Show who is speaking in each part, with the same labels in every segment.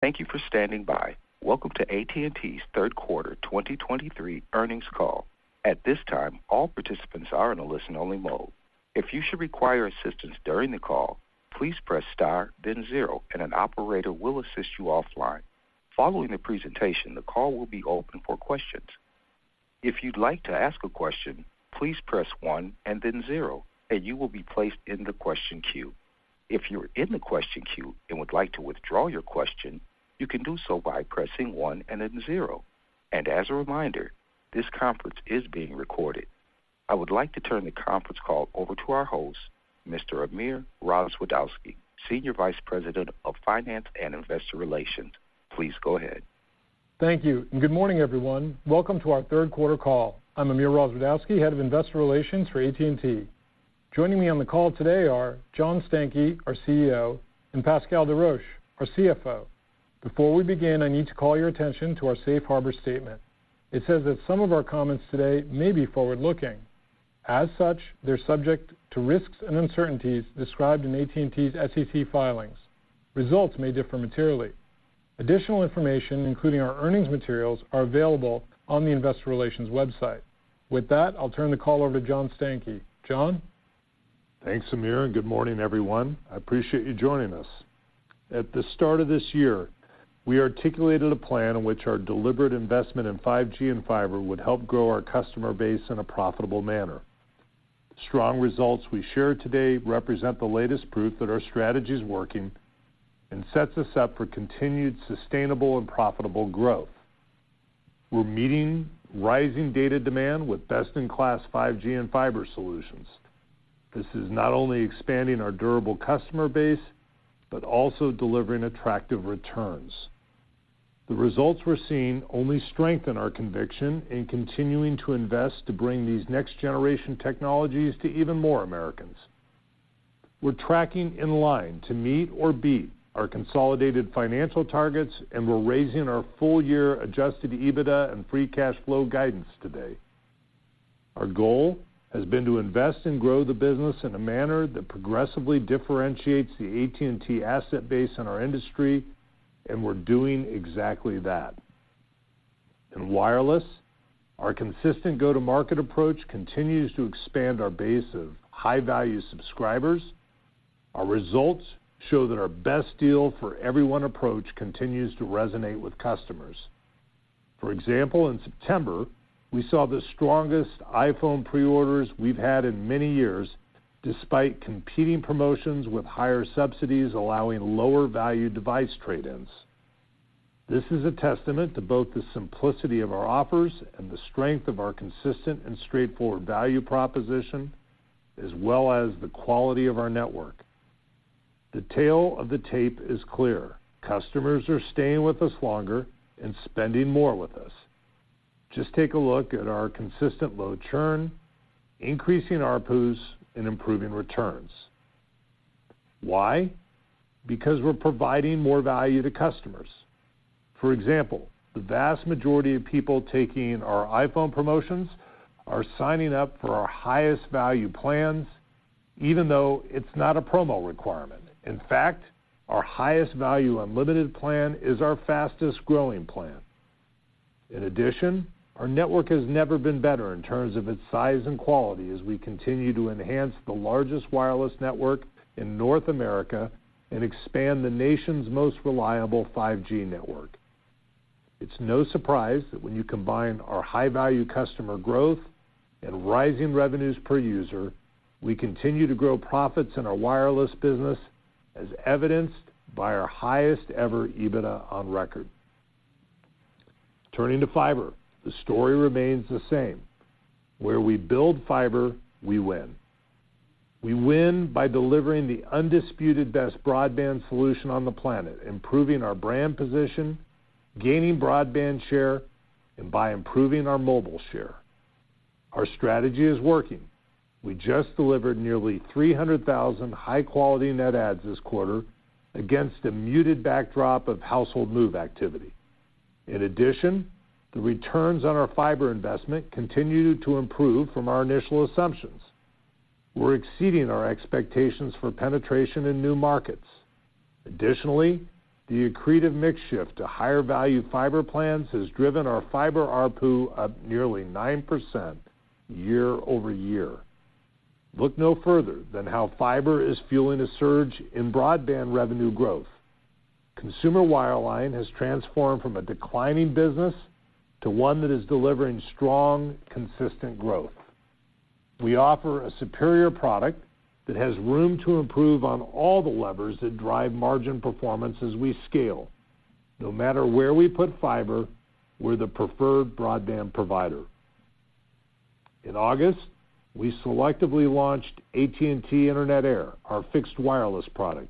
Speaker 1: Thank you for standing by. Welcome to AT&T's Third Quarter 2023 Earnings Call. At this time, all participants are in a listen-only mode. If you should require assistance during the call, please press star then zero, and an operator will assist you offline. Following the presentation, the call will be open for questions. If you'd like to ask a question, please press one and then zero, and you will be placed in the question queue. If you're in the question queue and would like to withdraw your question, you can do so by pressing one and then zero. As a reminder, this conference is being recorded. I would like to turn the conference call over to our host, Mr. Amir Rozwadowski, Senior Vice President of Finance and Investor Relations. Please go ahead.
Speaker 2: Thank you, and good morning, everyone. Welcome to our third quarter call. I'm Amir Rozwadowski, Head of Investor Relations for AT&T. Joining me on the call today are John Stankey, our CEO, and Pascal Desroches, our CFO. Before we begin, I need to call your attention to our Safe Harbor statement. It says that some of our comments today may be forward-looking. As such, they're subject to risks and uncertainties described in AT&T's SEC filings. Results may differ materially. Additional information, including our earnings materials, are available on the Investor Relations website. With that, I'll turn the call over to John Stankey. John?
Speaker 3: Thanks, Amir, and good morning, everyone. I appreciate you joining us. At the start of this year, we articulated a plan in which our deliberate investment in 5G and fiber would help grow our customer base in a profitable manner. The strong results we share today represent the latest proof that our strategy is working and sets us up for continued, sustainable and profitable growth. We're meeting rising data demand with best-in-class 5G and fiber solutions. This is not only expanding our durable customer base, but also delivering attractive returns. The results we're seeing only strengthen our conviction in continuing to invest to bring these next-generation technologies to even more Americans. We're tracking in line to meet or beat our consolidated financial targets, and we're raising our full-year adjusted EBITDA and free cash flow guidance today. Our goal has been to invest and grow the business in a manner that progressively differentiates the AT&T asset base in our industry, and we're doing exactly that. In wireless, our consistent go-to-market approach continues to expand our base of high-value subscribers. Our results show that our best deal for everyone approach continues to resonate with customers. For example, in September, we saw the strongest iPhone preorders we've had in many years, despite competing promotions with higher subsidies, allowing lower-value device trade-ins. This is a testament to both the simplicity of our offers and the strength of our consistent and straightforward value proposition, as well as the quality of our network. The tale of the tape is clear: customers are staying with us longer and spending more with us. Just take a look at our consistent low churn, increasing ARPUs, and improving returns. Why? Because we're providing more value to customers. For example, the vast majority of people taking our iPhone promotions are signing up for our highest-value plans, even though it's not a promo requirement. In fact, our highest-value unlimited plan is our fastest-growing plan. In addition, our network has never been better in terms of its size and quality, as we continue to enhance the largest wireless network in North America and expand the nation's most reliable 5G network. It's no surprise that when you combine our high-value customer growth and rising revenues per user, we continue to grow profits in our wireless business, as evidenced by our highest-ever EBITDA on record. Turning to fiber, the story remains the same. Where we build fiber, we win. We win by delivering the undisputed best broadband solution on the planet, improving our brand position, gaining broadband share, and by improving our mobile share. Our strategy is working. We just delivered nearly 300,000 high-quality net adds this quarter against a muted backdrop of household move activity. In addition, the returns on our fiber investment continue to improve from our initial assumptions. We're exceeding our expectations for penetration in new markets. Additionally, the accretive mix shift to higher-value fiber plans has driven our fiber ARPU up nearly 9% year-over-year. Look no further than how fiber is fueling a surge in broadband revenue growth. Consumer wireline has transformed from a declining business to one that is delivering strong, consistent growth. We offer a superior product that has room to improve on all the levers that drive margin performance as we scale. No matter where we put fiber, we're the preferred broadband provider. In August, we selectively launched AT&T Internet Air, our fixed wireless product.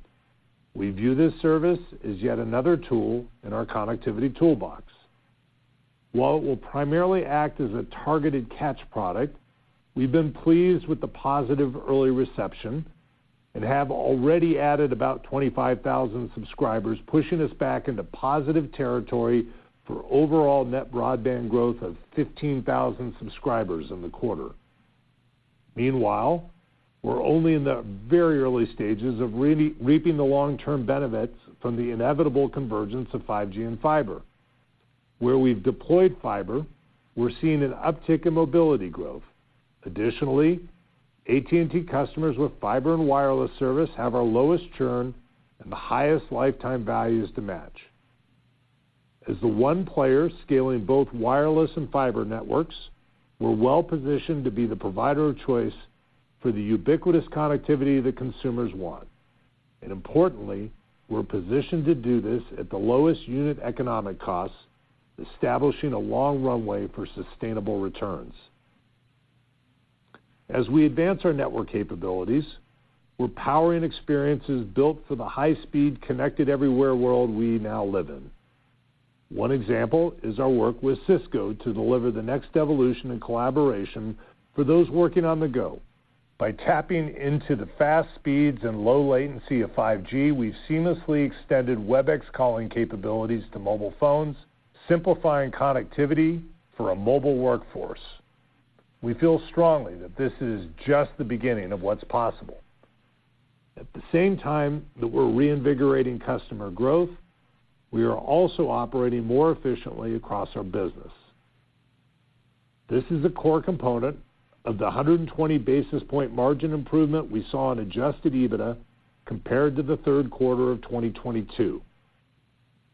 Speaker 3: We view this service as yet another tool in our connectivity toolbox. While it will primarily act as a targeted catch product, we've been pleased with the positive early reception and have already added about 25,000 subscribers, pushing us back into positive territory for overall net broadband growth of 15,000 subscribers in the quarter. Meanwhile, we're only in the very early stages of reaping the long-term benefits from the inevitable convergence of 5G and fiber. Where we've deployed fiber, we're seeing an uptick in mobility growth. Additionally, AT&T customers with fiber and wireless service have our lowest churn and the highest lifetime values to match. As the one player scaling both wireless and fiber networks, we're well positioned to be the provider of choice for the ubiquitous connectivity that consumers want. Importantly, we're positioned to do this at the lowest unit economic costs, establishing a long runway for sustainable returns. As we advance our network capabilities, we're powering experiences built for the high-speed, connected-everywhere world we now live in. One example is our work with Cisco to deliver the next evolution in collaboration for those working on the go. By tapping into the fast speeds and low latency of 5G, we've seamlessly extended Webex calling capabilities to mobile phones, simplifying connectivity for a mobile workforce. We feel strongly that this is just the beginning of what's possible. At the same time that we're reinvigorating customer growth, we are also operating more efficiently across our business. This is a core component of the 120 basis point margin improvement we saw in adjusted EBITDA compared to the third quarter of 2022.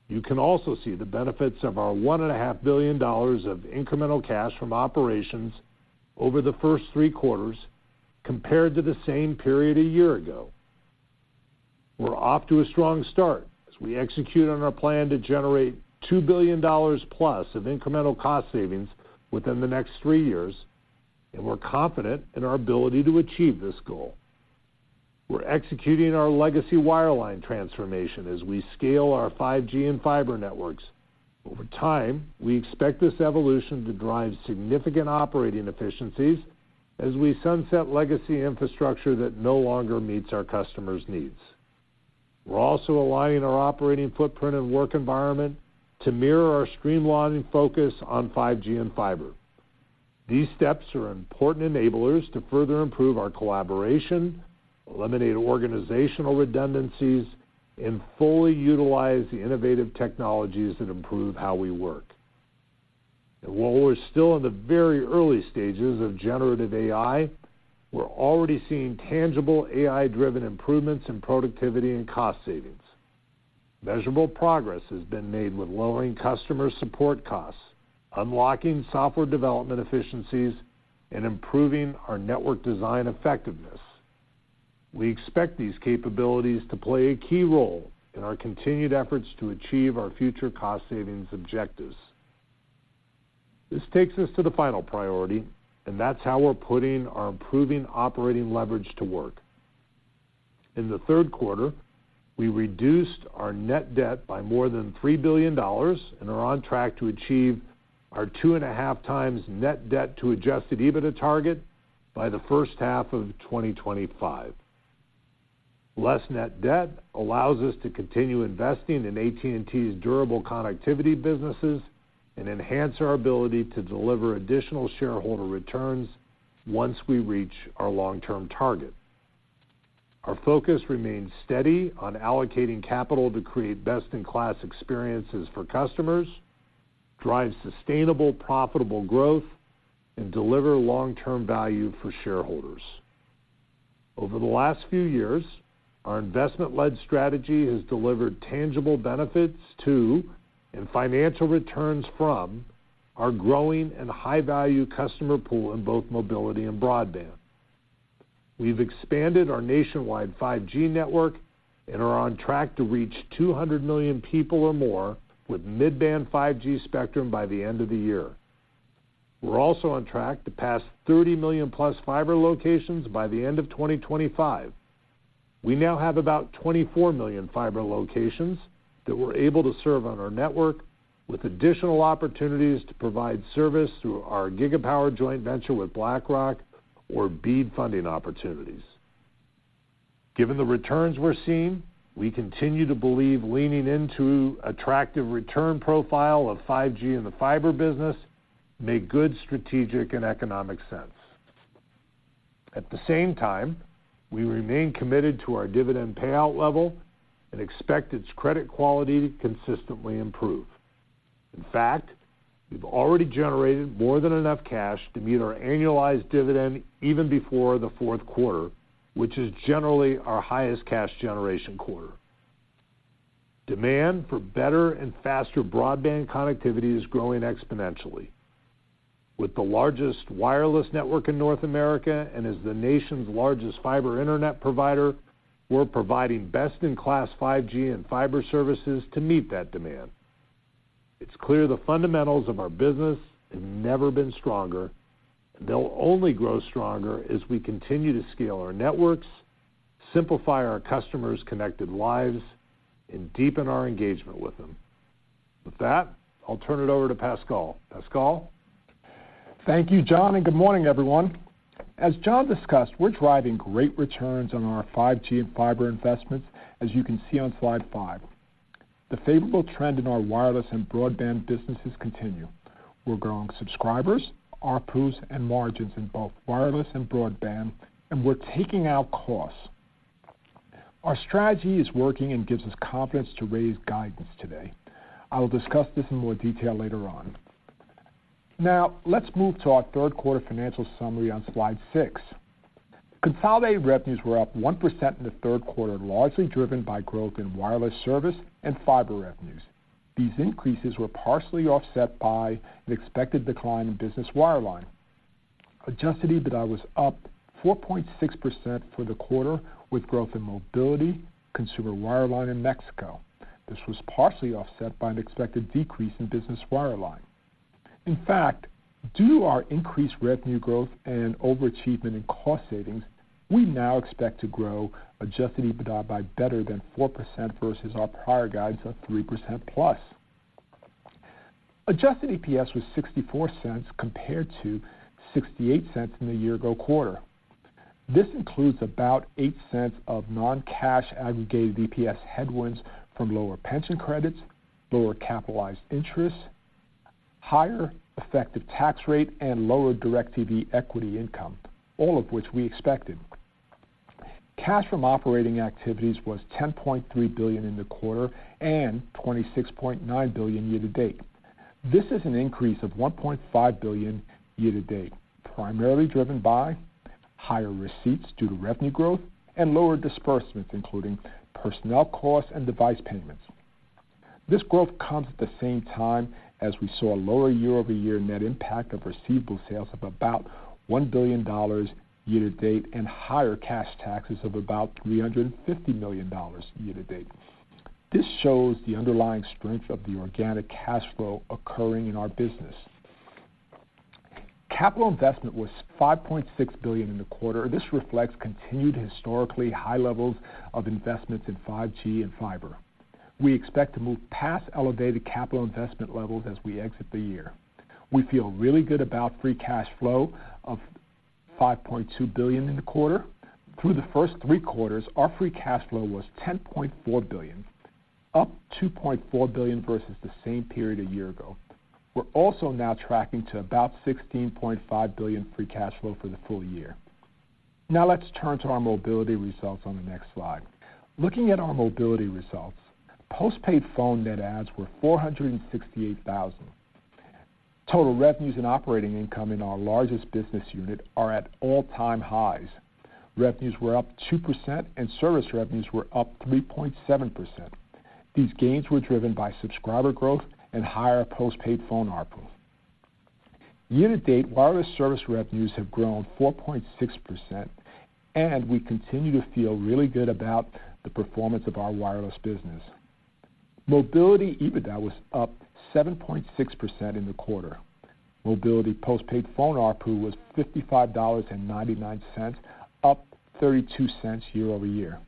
Speaker 3: You can also see the benefits of our $1.5 billion of incremental cash from operations over the first three quarters, compared to the same period a year ago. We're off to a strong start as we execute on our plan to generate $2 billion+ of incremental cost savings within the next three years, and we're confident in our ability to achieve this goal. We're executing our legacy wireline transformation as we scale our 5G and fiber networks. Over time, we expect this evolution to drive significant operating efficiencies as we sunset legacy infrastructure that no longer meets our customers' needs. We're also aligning our operating footprint and work environment to mirror our streamlining focus on 5G and fiber. These steps are important enablers to further improve our collaboration, eliminate organizational redundancies, and fully utilize the innovative technologies that improve how we work. While we're still in the very early stages of generative AI, we're already seeing tangible AI-driven improvements in productivity and cost savings. Measurable progress has been made with lowering customer support costs, unlocking software development efficiencies, and improving our network design effectiveness. We expect these capabilities to play a key role in our continued efforts to achieve our future cost savings objectives. This takes us to the final priority, and that's how we're putting our improving operating leverage to work. In the third quarter, we reduced our net debt by more than $3 billion and are on track to achieve our 2.5x net debt to adjusted EBITDA target by the first half of 2025. Less net debt allows us to continue investing in AT&T's durable connectivity businesses and enhance our ability to deliver additional shareholder returns once we reach our long-term target. Our focus remains steady on allocating capital to create best-in-class experiences for customers, drive sustainable, profitable growth, and deliver long-term value for shareholders. Over the last few years, our investment-led strategy has delivered tangible benefits to, and financial returns from, our growing and high-value customer pool in both mobility and broadband. We've expanded our nationwide 5G network and are on track to reach 200 million people or more with mid-band 5G spectrum by the end of the year. We're also on track to pass 30 million-plus fiber locations by the end of 2025. We now have about 24 million fiber locations that we're able to serve on our network, with additional opportunities to provide service through our Gigapower joint venture with BlackRock or BEAD funding opportunities. Given the returns we're seeing, we continue to believe leaning into attractive return profile of 5G and the fiber business make good strategic and economic sense. At the same time, we remain committed to our dividend payout level and expect its credit quality to consistently improve. In fact, we've already generated more than enough cash to meet our annualized dividend even before the fourth quarter, which is generally our highest cash generation quarter. Demand for better and faster broadband connectivity is growing exponentially. With the largest wireless network in North America and as the nation's largest fiber internet provider, we're providing best-in-class 5G and fiber services to meet that demand. It's clear the fundamentals of our business have never been stronger, and they'll only grow stronger as we continue to scale our networks, simplify our customers' connected lives, and deepen our engagement with them. With that, I'll turn it over to Pascal. Pascal?
Speaker 4: Thank you, John, and good morning, everyone. As John discussed, we're driving great returns on our 5G and fiber investments, as you can see on slide 5. The favorable trend in our wireless and broadband businesses continue. We're growing subscribers, ARPU, and margins in both wireless and broadband, and we're taking out costs. Our strategy is working and gives us confidence to raise guidance today. I will discuss this in more detail later on. Now, let's move to our third quarter financial summary on slide 6. Consolidated revenues were up 1% in the third quarter, largely driven by growth in wireless service and fiber revenues. These increases were partially offset by an expected decline in business wireline. Adjusted EBITDA was up 4.6% for the quarter, with growth in mobility, consumer wireline, and Mexico. This was partially offset by an expected decrease in business wireline. In fact, due to our increased revenue growth and overachievement in cost savings, we now expect to grow adjusted EBITDA by better than 4% versus our prior guidance of 3%+. Adjusted EPS was $0.64 compared to $0.68 in the year-ago quarter. This includes about $0.08 of non-cash aggregated EPS headwinds from lower pension credits, lower capitalized interest, higher effective tax rate, and lower DIRECTV equity income, all of which we expected. Cash from operating activities was $10.3 billion in the quarter and $26.9 billion year to date. This is an increase of $1.5 billion year to date, primarily driven by higher receipts due to revenue growth and lower disbursements, including personnel costs and device payments. This growth comes at the same time as we saw a lower year-over-year net impact of receivable sales of about $1 billion year to date and higher cash taxes of about $350 million year to date. This shows the underlying strength of the organic cash flow occurring in our business. Capital investment was $5.6 billion in the quarter. This reflects continued historically high levels of investments in 5G and fiber. We expect to move past elevated capital investment levels as we exit the year. We feel really good about free cash flow of $5.2 billion in the quarter. Through the first three quarters, our free cash flow was $10.4 billion, up $2.4 billion versus the same period a year ago. We're also now tracking to about $16.5 billion free cash flow for the full year. Now let's turn to our mobility results on the next slide. Looking at our mobility results, postpaid phone net adds were 468,000. Total revenues and operating income in our largest business unit are at all-time highs. Revenues were up 2%, and service revenues were up 3.7%. These gains were driven by subscriber growth and higher postpaid phone ARPU. Year to date, wireless service revenues have grown 4.6%, and we continue to feel really good about the performance of our wireless business. Mobility EBITDA was up 7.6% in the quarter. Mobility postpaid phone ARPU was $55.99, up 32 cents year-over-year.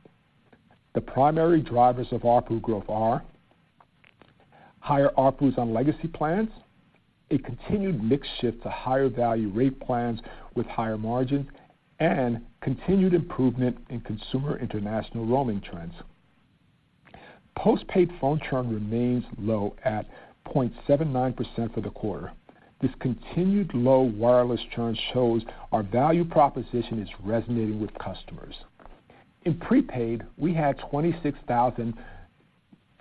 Speaker 4: The primary drivers of ARPU growth are higher ARPUs on legacy plans, a continued mix shift to higher value rate plans with higher margin, and continued improvement in consumer international roaming trends. Postpaid phone churn remains low at 0.79% for the quarter. This continued low wireless churn shows our value proposition is resonating with customers. In prepaid, we had 26,000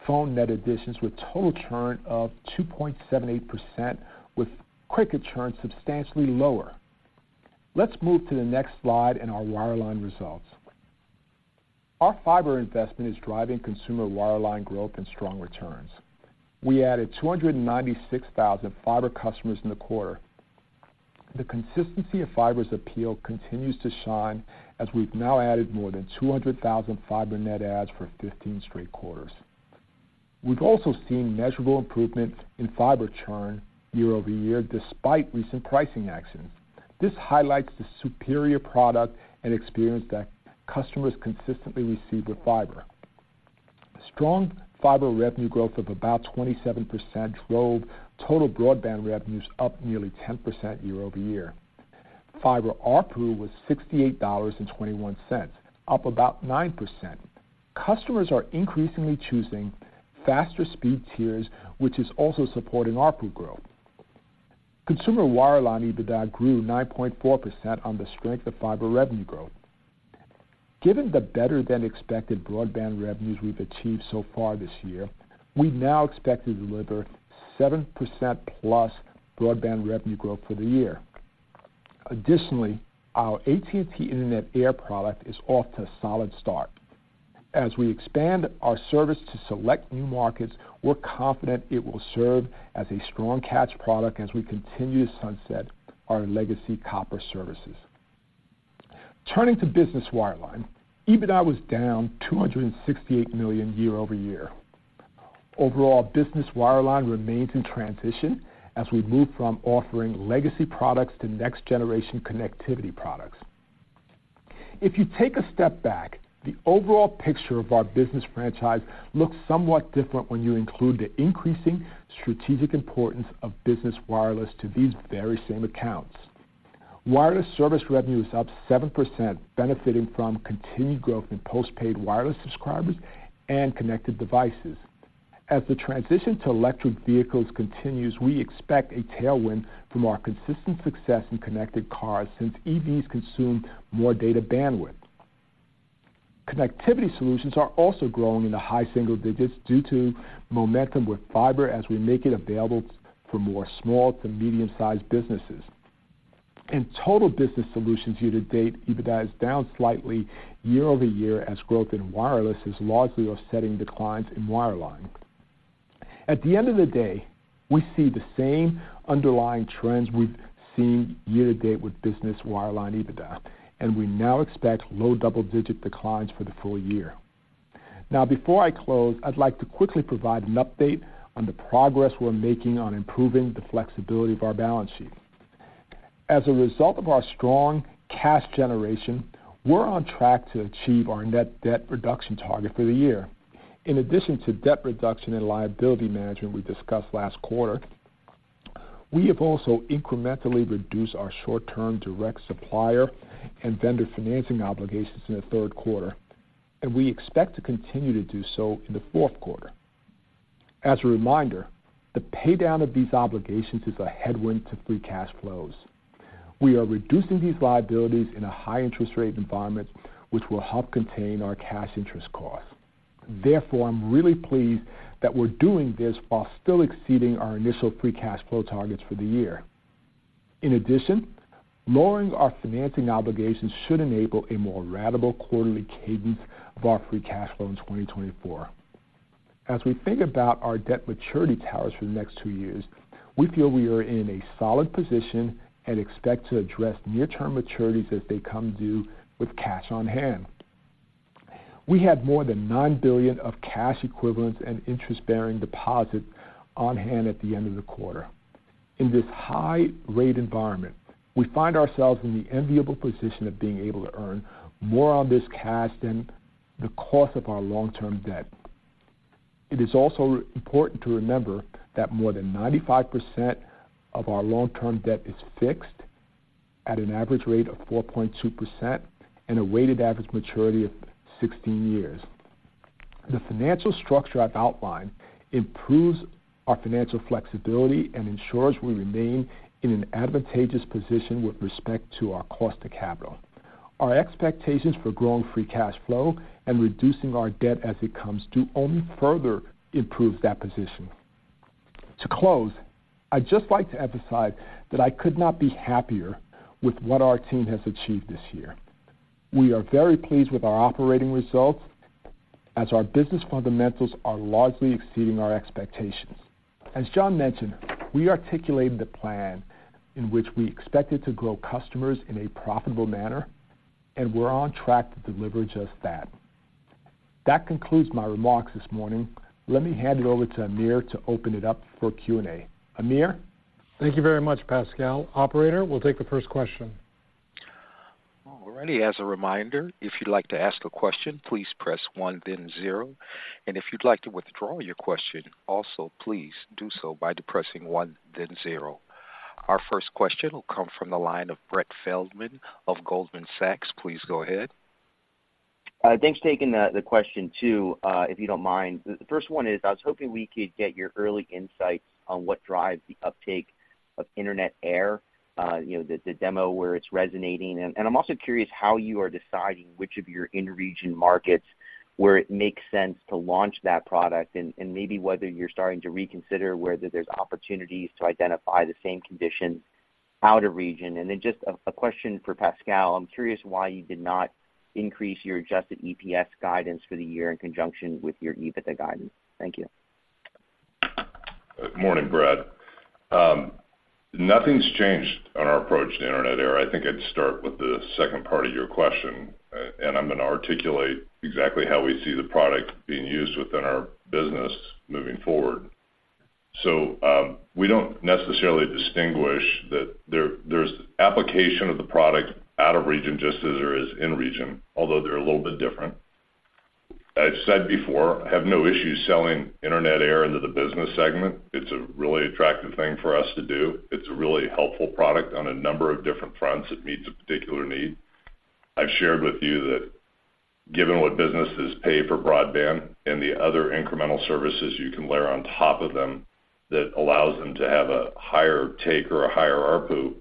Speaker 4: phone net additions, with total churn of 2.78%, with Cricket churn substantially lower. Let's move to the next slide and our wireline results. Our fiber investment is driving consumer wireline growth and strong returns. We added 296,000 fiber customers in the quarter. The consistency of fiber's appeal continues to shine, as we've now added more than 200,000 fiber net adds for 15 straight quarters. We've also seen measurable improvements in fiber churn year-over-year, despite recent pricing actions. This highlights the superior product and experience that customers consistently receive with fiber. Strong fiber revenue growth of about 27% drove total broadband revenues up nearly 10% year-over-year. Fiber ARPU was $68.21, up about 9%. Customers are increasingly choosing faster speed tiers, which is also supporting ARPU growth. Consumer wireline EBITDA grew 9.4% on the strength of fiber revenue growth. Given the better-than-expected broadband revenues we've achieved so far this year, we now expect to deliver 7%+ broadband revenue growth for the year. Additionally, our AT&T Internet Air product is off to a solid start. As we expand our service to select new markets, we're confident it will serve as a strong catch product as we continue to sunset our legacy copper services. Turning to business wireline, EBITDA was down $268 million year-over-year. Overall, business wireline remains in transition as we move from offering legacy products to next-generation connectivity products. If you take a step back, the overall picture of our business franchise looks somewhat different when you include the increasing strategic importance of business wireless to these very same accounts. Wireless service revenue is up 7%, benefiting from continued growth in postpaid wireless subscribers and connected devices. As the transition to electric vehicles continues, we expect a tailwind from our consistent success in connected cars, since EVs consume more data bandwidth. Connectivity solutions are also growing in the high single digits due to momentum with fiber as we make it available for more small to medium-sized businesses. In total business solutions, year-to-date, EBITDA is down slightly year-over-year as growth in wireless is largely offsetting declines in wireline. At the end of the day, we see the same underlying trends we've seen year-to-date with business wireline EBITDA, and we now expect low double-digit declines for the full year. Now, before I close, I'd like to quickly provide an update on the progress we're making on improving the flexibility of our balance sheet. As a result of our strong cash generation, we're on track to achieve our net debt reduction target for the year. In addition to debt reduction and liability management we discussed last quarter, we have also incrementally reduced our short-term direct supplier and vendor financing obligations in the third quarter, and we expect to continue to do so in the fourth quarter. As a reminder, the paydown of these obligations is a headwind to free cash flows. We are reducing these liabilities in a high interest rate environment, which will help contain our cash interest costs. Therefore, I'm really pleased that we're doing this while still exceeding our initial free cash flow targets for the year. In addition, lowering our financing obligations should enable a more ratable quarterly cadence of our free cash flow in 2024. As we think about our debt maturity towers for the next two years, we feel we are in a solid position and expect to address near-term maturities as they come due with cash on hand. We had more than $9 billion of cash equivalents and interest-bearing deposits on hand at the end of the quarter. In this high rate environment, we find ourselves in the enviable position of being able to earn more on this cash than the cost of our long-term debt. It is also important to remember that more than 95% of our long-term debt is fixed at an average rate of 4.2% and a weighted average maturity of 16 years. The financial structure I've outlined improves our financial flexibility and ensures we remain in an advantageous position with respect to our cost of capital. Our expectations for growing free cash flow and reducing our debt as it comes due only further improves that position. To close, I'd just like to emphasize that I could not be happier with what our team has achieved this year. We are very pleased with our operating results as our business fundamentals are largely exceeding our expectations. As John mentioned, we articulated a plan in which we expected to grow customers in a profitable manner, and we're on track to deliver just that. That concludes my remarks this morning. Let me hand it over to Amir to open it up for Q&A. Amir?
Speaker 2: Thank you very much, Pascal. Operator, we'll take the first question.
Speaker 1: All righty. As a reminder, if you'd like to ask a question, please press one, then zero. And if you'd like to withdraw your question, also, please do so by depressing one, then zero. Our first question will come from the line of Brett Feldman of Goldman Sachs. Please go ahead.
Speaker 5: Thanks for taking the question too, if you don't mind. The first one is, I was hoping we could get your early insights on what drives the uptake of Internet Air, you know, the demo where it's resonating. And I'm also curious how you are deciding which of your in-region markets where it makes sense to launch that product, and maybe whether you're starting to reconsider whether there's opportunities to identify the same conditions out of region. And then just a question for Pascal. I'm curious why you did not increase your adjusted EPS guidance for the year in conjunction with your EBITDA guidance. Thank you.
Speaker 3: Morning, Brett. Nothing's changed on our approach to Internet Air. I think I'd start with the second part of your question, and I'm going to articulate exactly how we see the product being used within our business moving forward. We don't necessarily distinguish that there, there's application of the product out of region just as there is in region, although they're a little bit different. I've said before, I have no issue selling Internet Air into the business segment. It's a really attractive thing for us to do. It's a really helpful product on a number of different fronts. It meets a particular need. I've shared with you that given what businesses pay for broadband and the other incremental services you can layer on top of them, that allows them to have a higher take or a higher ARPU,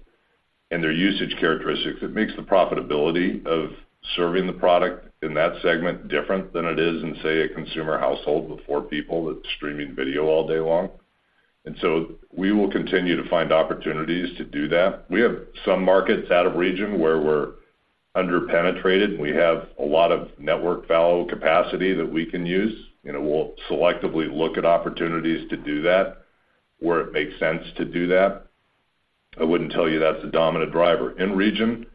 Speaker 3: and their usage characteristics, it makes the profitability of serving the product in that segment different than it is in, say, a consumer household with four people that's streaming video all day long. And so we will continue to find opportunities to do that. We have some markets out of region where we're underpenetrated, and we have a lot of network value capacity that we can use, and we'll selectively look at opportunities to do that, where it makes sense to do that. I wouldn't tell you that's a dominant driver. In region,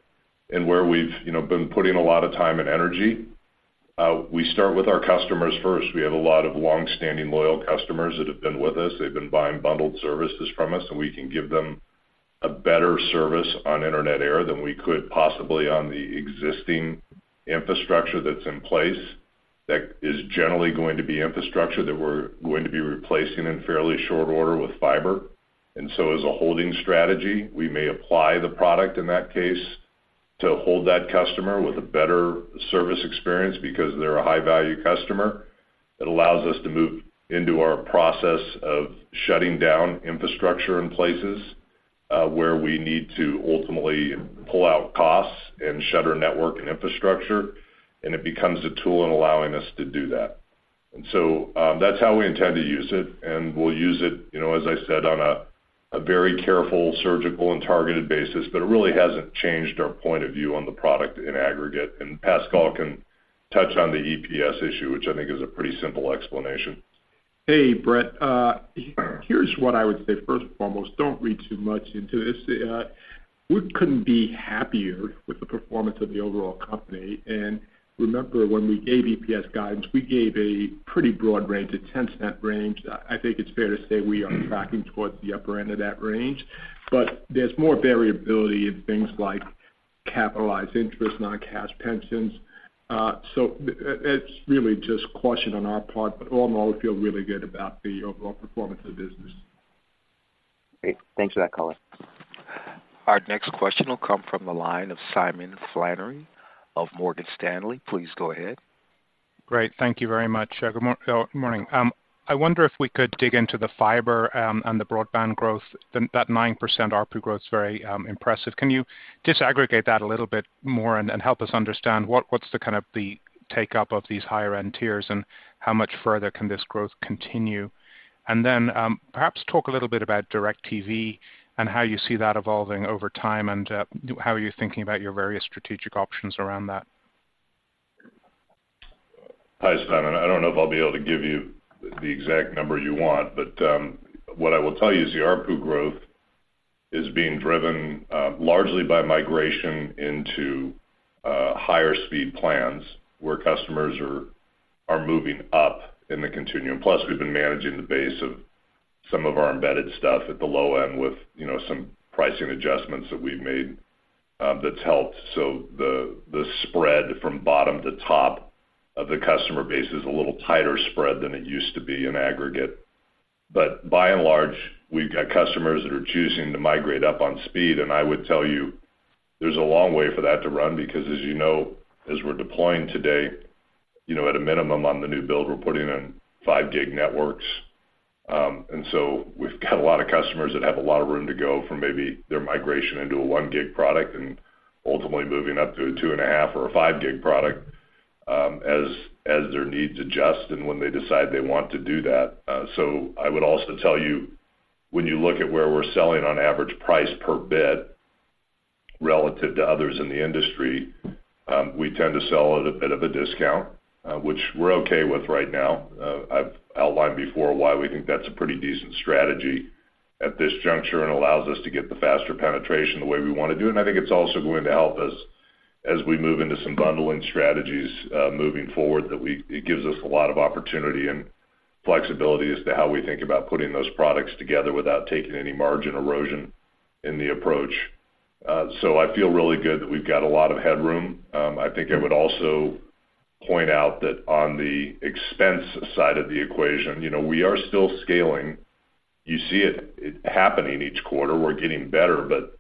Speaker 3: and where we've, you know, been putting a lot of time and energy, we start with our customers first. We have a lot of long-standing, loyal customers that have been with us. They've been buying bundled services from us, and we can give them a better service on Internet Air than we could possibly on the existing infrastructure that's in place.... that is generally going to be infrastructure that we're going to be replacing in fairly short order with fiber. And so as a holding strategy, we may apply the product in that case to hold that customer with a better service experience because they're a high-value customer. It allows us to move into our process of shutting down infrastructure in places, where we need to ultimately pull out costs and shutter network and infrastructure, and it becomes a tool in allowing us to do that. So, that's how we intend to use it, and we'll use it, you know, as I said, on a very careful, surgical, and targeted basis. But it really hasn't changed our point of view on the product in aggregate. And Pascal can touch on the EPS issue, which I think is a pretty simple explanation.
Speaker 4: Hey, Brett. Here's what I would say. First and foremost, don't read too much into this. We couldn't be happier with the performance of the overall company. And remember, when we gave EPS guidance, we gave a pretty broad range, a $0.10 range. I think it's fair to say we are tracking towards the upper end of that range, but there's more variability in things like capitalized interest, non-cash pensions. So it's really just caution on our part, but all in all, we feel really good about the overall performance of the business.
Speaker 5: Great. Thanks for that color.
Speaker 1: Our next question will come from the line of Simon Flannery of Morgan Stanley. Please go ahead.
Speaker 6: Great. Thank you very much. Good morning. I wonder if we could dig into the fiber and the broadband growth. Then that 9% ARPU growth is very impressive. Can you disaggregate that a little bit more and help us understand what's the kind of take-up of these higher-end tiers, and how much further can this growth continue? And then, perhaps talk a little bit about DIRECTV and how you see that evolving over time, and how are you thinking about your various strategic options around that?
Speaker 3: Hi, Simon. I don't know if I'll be able to give you the exact number you want, but what I will tell you is the ARPU growth is being driven largely by migration into higher-speed plans, where customers are moving up in the continuum. Plus, we've been managing the base of some of our embedded stuff at the low end with, you know, some pricing adjustments that we've made, that's helped. So the spread from bottom to top of the customer base is a little tighter spread than it used to be in aggregate. But by and large, we've got customers that are choosing to migrate up on speed, and I would tell you, there's a long way for that to run because, as you know, as we're deploying today, you know, at a minimum on the new build, we're putting in 5 gig networks. And so we've got a lot of customers that have a lot of room to go from maybe their migration into a 1 gig product and ultimately moving up to a 2.5 or a 5 gig product, as their needs adjust and when they decide they want to do that. So I would also tell you, when you look at where we're selling on average price per bit relative to others in the industry, we tend to sell at a bit of a discount, which we're okay with right now. I've outlined before why we think that's a pretty decent strategy at this juncture and allows us to get the faster penetration the way we want to do. And I think it's also going to help us as we move into some bundling strategies, moving forward, that we, it gives us a lot of opportunity and flexibility as to how we think about putting those products together without taking any margin erosion in the approach. So I feel really good that we've got a lot of headroom. I think I would also point out that on the expense side of the equation, you know, we are still scaling. You see it happening each quarter. We're getting better, but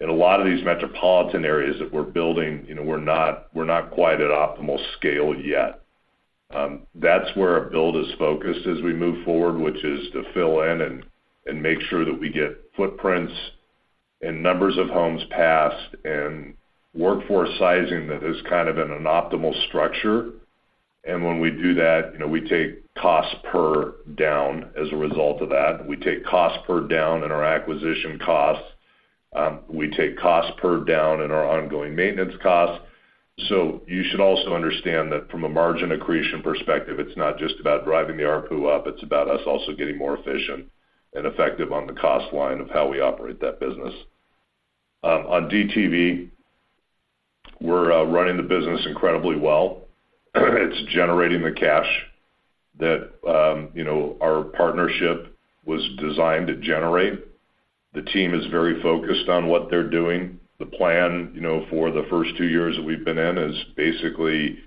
Speaker 3: in a lot of these metropolitan areas that we're building, you know, we're not quite at optimal scale yet. That's where our build is focused as we move forward, which is to fill in and make sure that we get footprints and numbers of homes passed and workforce sizing that is kind of in an optimal structure. And when we do that, you know, we take costs per down as a result of that. We take cost per down in our acquisition costs. We take costs per down in our ongoing maintenance costs. So you should also understand that from a margin accretion perspective, it's not just about driving the ARPU up, it's about us also getting more efficient and effective on the cost line of how we operate that business. On DTV, we're running the business incredibly well. It's generating the cash that, you know, our partnership was designed to generate. The team is very focused on what they're doing. The plan, you know, for the first two years that we've been in is basically,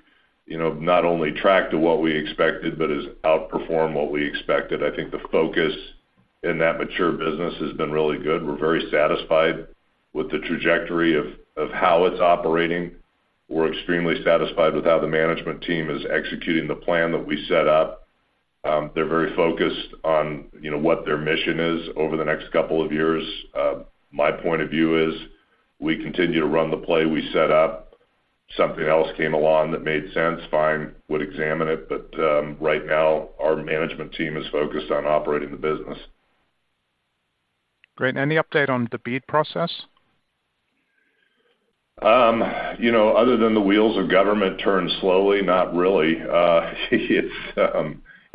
Speaker 3: you know, not only tracked to what we expected, but has outperformed what we expected. I think the focus in that mature business has been really good. We're very satisfied with the trajectory of how it's operating. We're extremely satisfied with how the management team is executing the plan that we set up. They're very focused on, you know, what their mission is over the next couple of years. My point of view is, we continue to run the play we set up. Something else came along that made sense, fine, we'd examine it, but right now, our management team is focused on operating the business.
Speaker 6: Great. Any update on the bid process?
Speaker 3: You know, other than the wheels of government turn slowly, not really.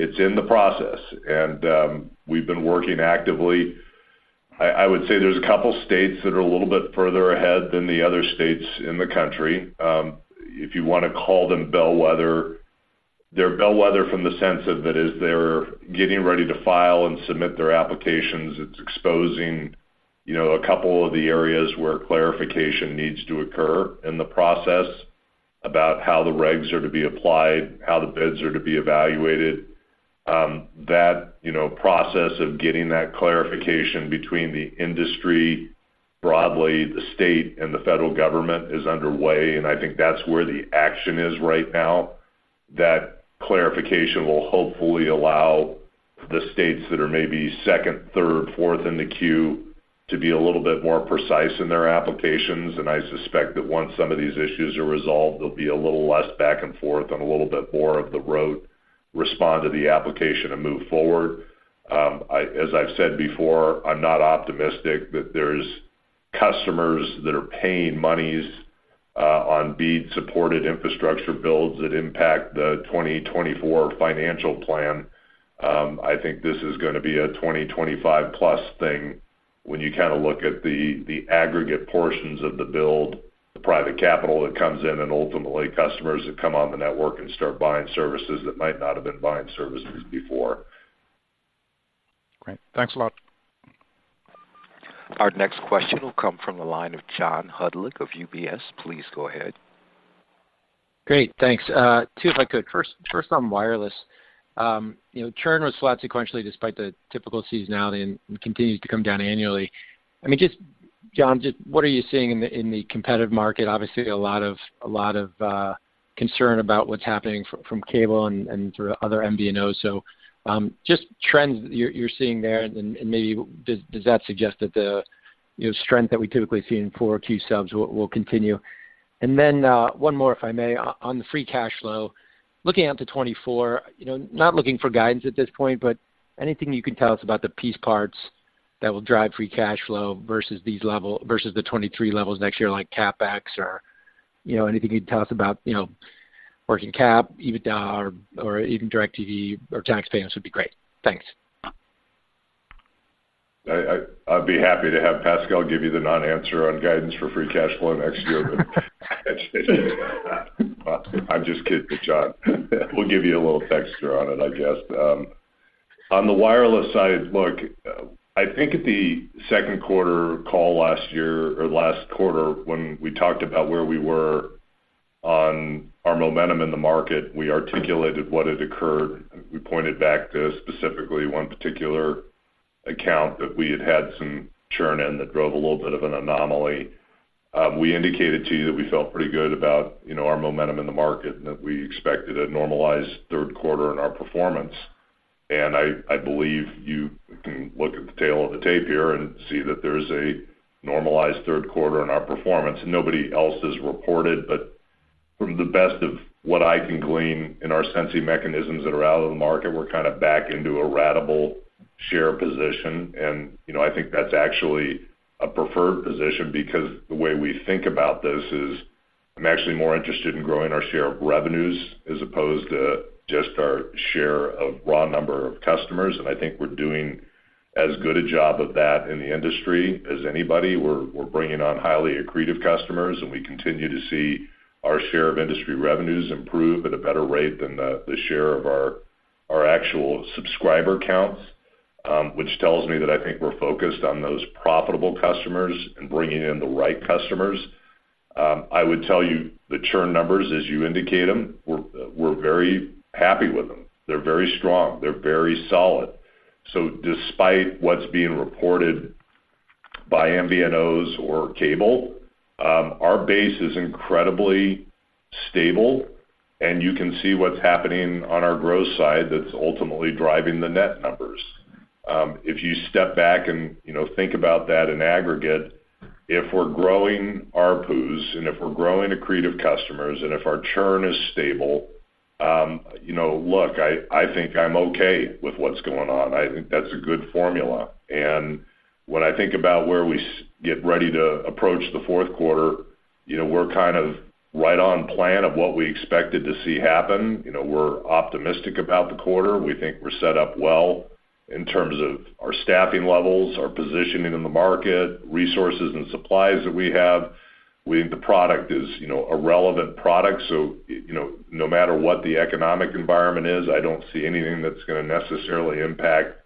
Speaker 3: It's in the process, and we've been working actively. I would say there's a couple states that are a little bit further ahead than the other states in the country. If you want to call them bellwether, they're bellwether from the sense of that is they're getting ready to file and submit their applications. You know, a couple of the areas where clarification needs to occur in the process about how the regs are to be applied, how the bids are to be evaluated, that process of getting that clarification between the industry, broadly, the state and the federal government is underway, and I think that's where the action is right now. That clarification will hopefully allow the states that are maybe second, third, fourth in the queue to be a little bit more precise in their applications. And I suspect that once some of these issues are resolved, there'll be a little less back and forth and a little bit more of the rote respond to the application and move forward. As I've said before, I'm not optimistic that there's customers that are paying monies on BEAD-supported infrastructure builds that impact the 2024 financial plan. I think this is gonna be a 2025+ thing when you kinda look at the aggregate portions of the build, the private capital that comes in, and ultimately customers that come on the network and start buying services that might not have been buying services before.
Speaker 6: Great. Thanks a lot.
Speaker 1: Our next question will come from the line of John Hodulik of UBS. Please go ahead.
Speaker 7: Great. Thanks. Too, if I could. First on wireless. You know, churn was flat sequentially, despite the typical seasonality and continues to come down annually. I mean, John, what are you seeing in the competitive market? Obviously, a lot of concern about what's happening from cable and through other MVNOs. So, just trends you're seeing there, and then maybe does that suggest that the, you know, strength that we typically see in four key subs will continue? And then, one more, if I may, on the free cash flow. Looking out to 2024, you know, not looking for guidance at this point, but anything you can tell us about the piece parts that will drive free cash flow versus the 2023 levels next year, like CapEx or, you know, anything you can tell us about, you know, working cap, EBITDA or, or even DIRECTV or tax payments would be great. Thanks.
Speaker 3: I'd be happy to have Pascal give you the non-answer on guidance for free cash flow next year. But I'm just kidding, John. We'll give you a little texture on it, I guess. On the wireless side, look, I think at the second quarter call last year or last quarter, when we talked about where we were on our momentum in the market, we articulated what had occurred. We pointed back to specifically one particular account that we had had some churn in, that drove a little bit of an anomaly. We indicated to you that we felt pretty good about, you know, our momentum in the market and that we expected a normalized third quarter in our performance. And I believe you can look at the tale of the tape here and see that there's a normalized third quarter in our performance. Nobody else has reported, but from the best of what I can glean in our sensing mechanisms that are out of the market, we're kind of back into a ratable share position. And, you know, I think that's actually a preferred position because the way we think about this is, I'm actually more interested in growing our share of revenues as opposed to just our share of raw number of customers. And I think we're doing as good a job of that in the industry as anybody. We're bringing on highly accretive customers, and we continue to see our share of industry revenues improve at a better rate than the share of our actual subscriber counts. Which tells me that I think we're focused on those profitable customers and bringing in the right customers. I would tell you the churn numbers, as you indicate them, we're, we're very happy with them. They're very strong, they're very solid. So despite what's being reported by MVNOs or cable, our base is incredibly stable, and you can see what's happening on our growth side that's ultimately driving the net numbers. If you step back and, you know, think about that in aggregate, if we're growing ARPU's and if we're growing accretive customers, and if our churn is stable, you know, look, I, I think I'm okay with what's going on. I think that's a good formula. And when I think about where we get ready to approach the fourth quarter, you know, we're kind of right on plan of what we expected to see happen. You know, we're optimistic about the quarter. We think we're set up well in terms of our staffing levels, our positioning in the market, resources and supplies that we have. We think the product is, you know, a relevant product, so, you know, no matter what the economic environment is, I don't see anything that's gonna necessarily impact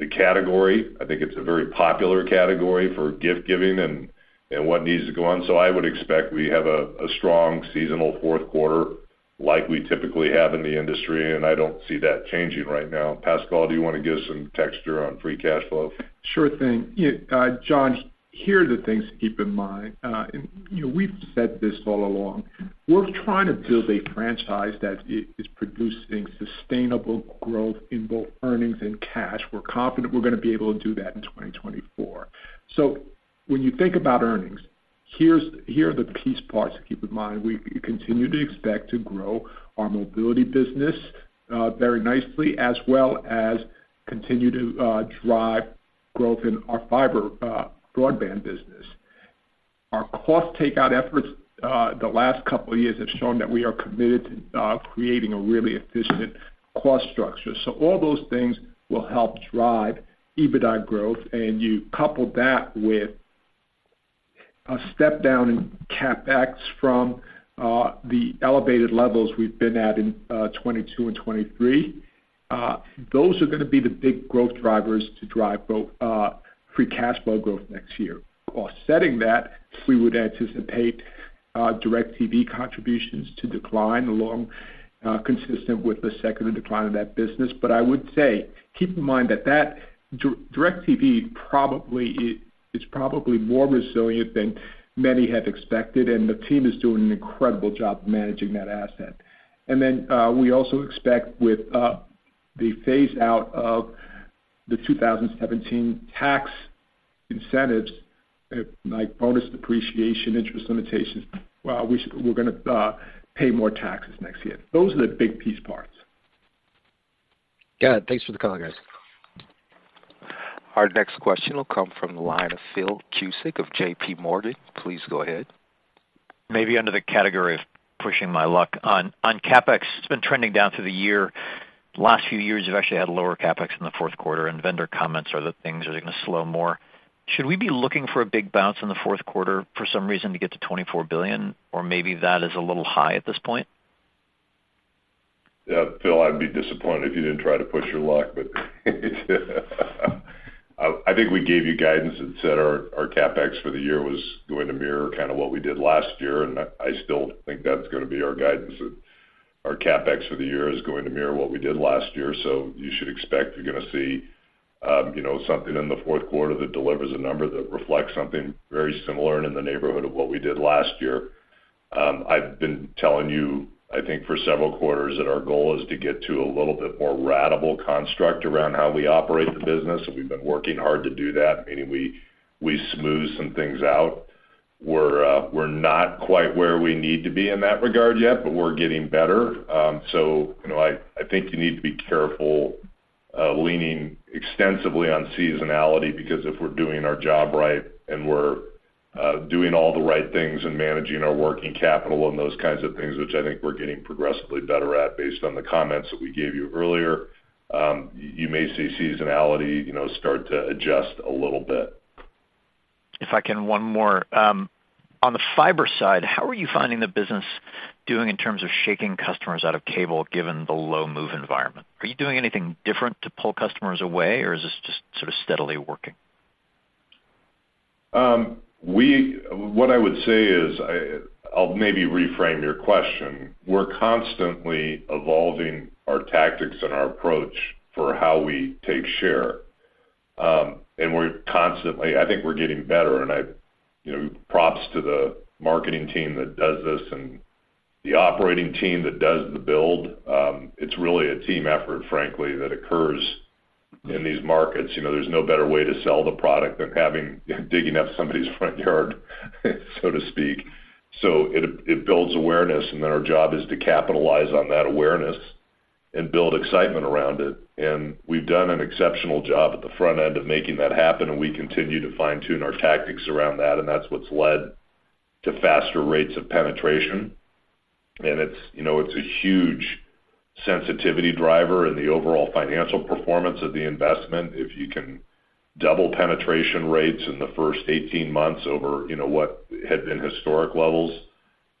Speaker 3: the category. I think it's a very popular category for gift giving and, and what needs to go on. So I would expect we have a, a strong seasonal fourth quarter, like we typically have in the industry, and I don't see that changing right now. Pascal, do you want to give some texture on free cash flow?
Speaker 4: Sure thing. Yeah, John, here are the things to keep in mind. And, you know, we've said this all along. We're trying to build a franchise that is producing sustainable growth in both earnings and cash. We're confident we're gonna be able to do that in 2024. So when you think about earnings, here are the piece parts to keep in mind. We continue to expect to grow our mobility business very nicely, as well as continue to drive growth in our fiber broadband business. Our cost takeout efforts the last couple of years have shown that we are committed to creating a really efficient cost structure. So all those things will help drive EBITDA growth, and you couple that with a step down in CapEx from the elevated levels we've been at in 2022 and 2023. Those are gonna be the big growth drivers to drive both, Free Cash Flow growth next year. Offsetting that, we would anticipate, DIRECTV contributions to decline along, consistent with the second decline of that business. But I would say, keep in mind that that DIRECTV probably, is probably more resilient than many had expected, and the team is doing an incredible job managing that asset. And then, we also expect with, the phaseout of the 2017 tax incentives, like bonus depreciation, interest limitations. Well, we're gonna, pay more taxes next year. Those are the big piece parts.
Speaker 7: Got it. Thanks for the color, guys.
Speaker 1: Our next question will come from the line of Phil Cusick of JPMorgan. Please go ahead.
Speaker 8: Maybe under the category of pushing my luck. On CapEx, it's been trending down through the year. Last few years, you've actually had lower CapEx in the fourth quarter, and vendor comments are that things are gonna slow more. Should we be looking for a big bounce in the fourth quarter for some reason to get to $24 billion, or maybe that is a little high at this point?
Speaker 3: Yeah, Phil, I'd be disappointed if you didn't try to push your luck, but I think we gave you guidance and said our CapEx for the year was going to mirror kind of what we did last year, and I still think that's gonna be our guidance. Our CapEx for the year is going to mirror what we did last year. So you should expect you're gonna see, you know, something in the fourth quarter that delivers a number that reflects something very similar and in the neighborhood of what we did last year. I've been telling you, I think for several quarters, that our goal is to get to a little bit more ratable construct around how we operate the business, and we've been working hard to do that, meaning we smooth some things out. We're not quite where we need to be in that regard yet, but we're getting better. So, you know, I think you need to be careful leaning extensively on seasonality because if we're doing our job right, and we're doing all the right things and managing our working capital and those kinds of things, which I think we're getting progressively better at, based on the comments that we gave you earlier, you may see seasonality, you know, start to adjust a little bit.
Speaker 8: If I can, one more. On the fiber side, how are you finding the business doing in terms of shaking customers out of cable, given the low move environment? Are you doing anything different to pull customers away, or is this just sort of steadily working?
Speaker 3: What I would say is, I'll maybe reframe your question. We're constantly evolving our tactics and our approach for how we take share. And we're constantly. I think we're getting better, and you know, props to the marketing team that does this and the operating team that does the build. It's really a team effort, frankly, that occurs in these markets. You know, there's no better way to sell the product than digging up somebody's front yard, so to speak. So it builds awareness, and then our job is to capitalize on that awareness and build excitement around it. And we've done an exceptional job at the front end of making that happen, and we continue to fine-tune our tactics around that, and that's what's led to faster rates of penetration. And it's, you know, it's a huge sensitivity driver in the overall financial performance of the investment. If you can double penetration rates in the first 18 months over, you know, what had been historic levels,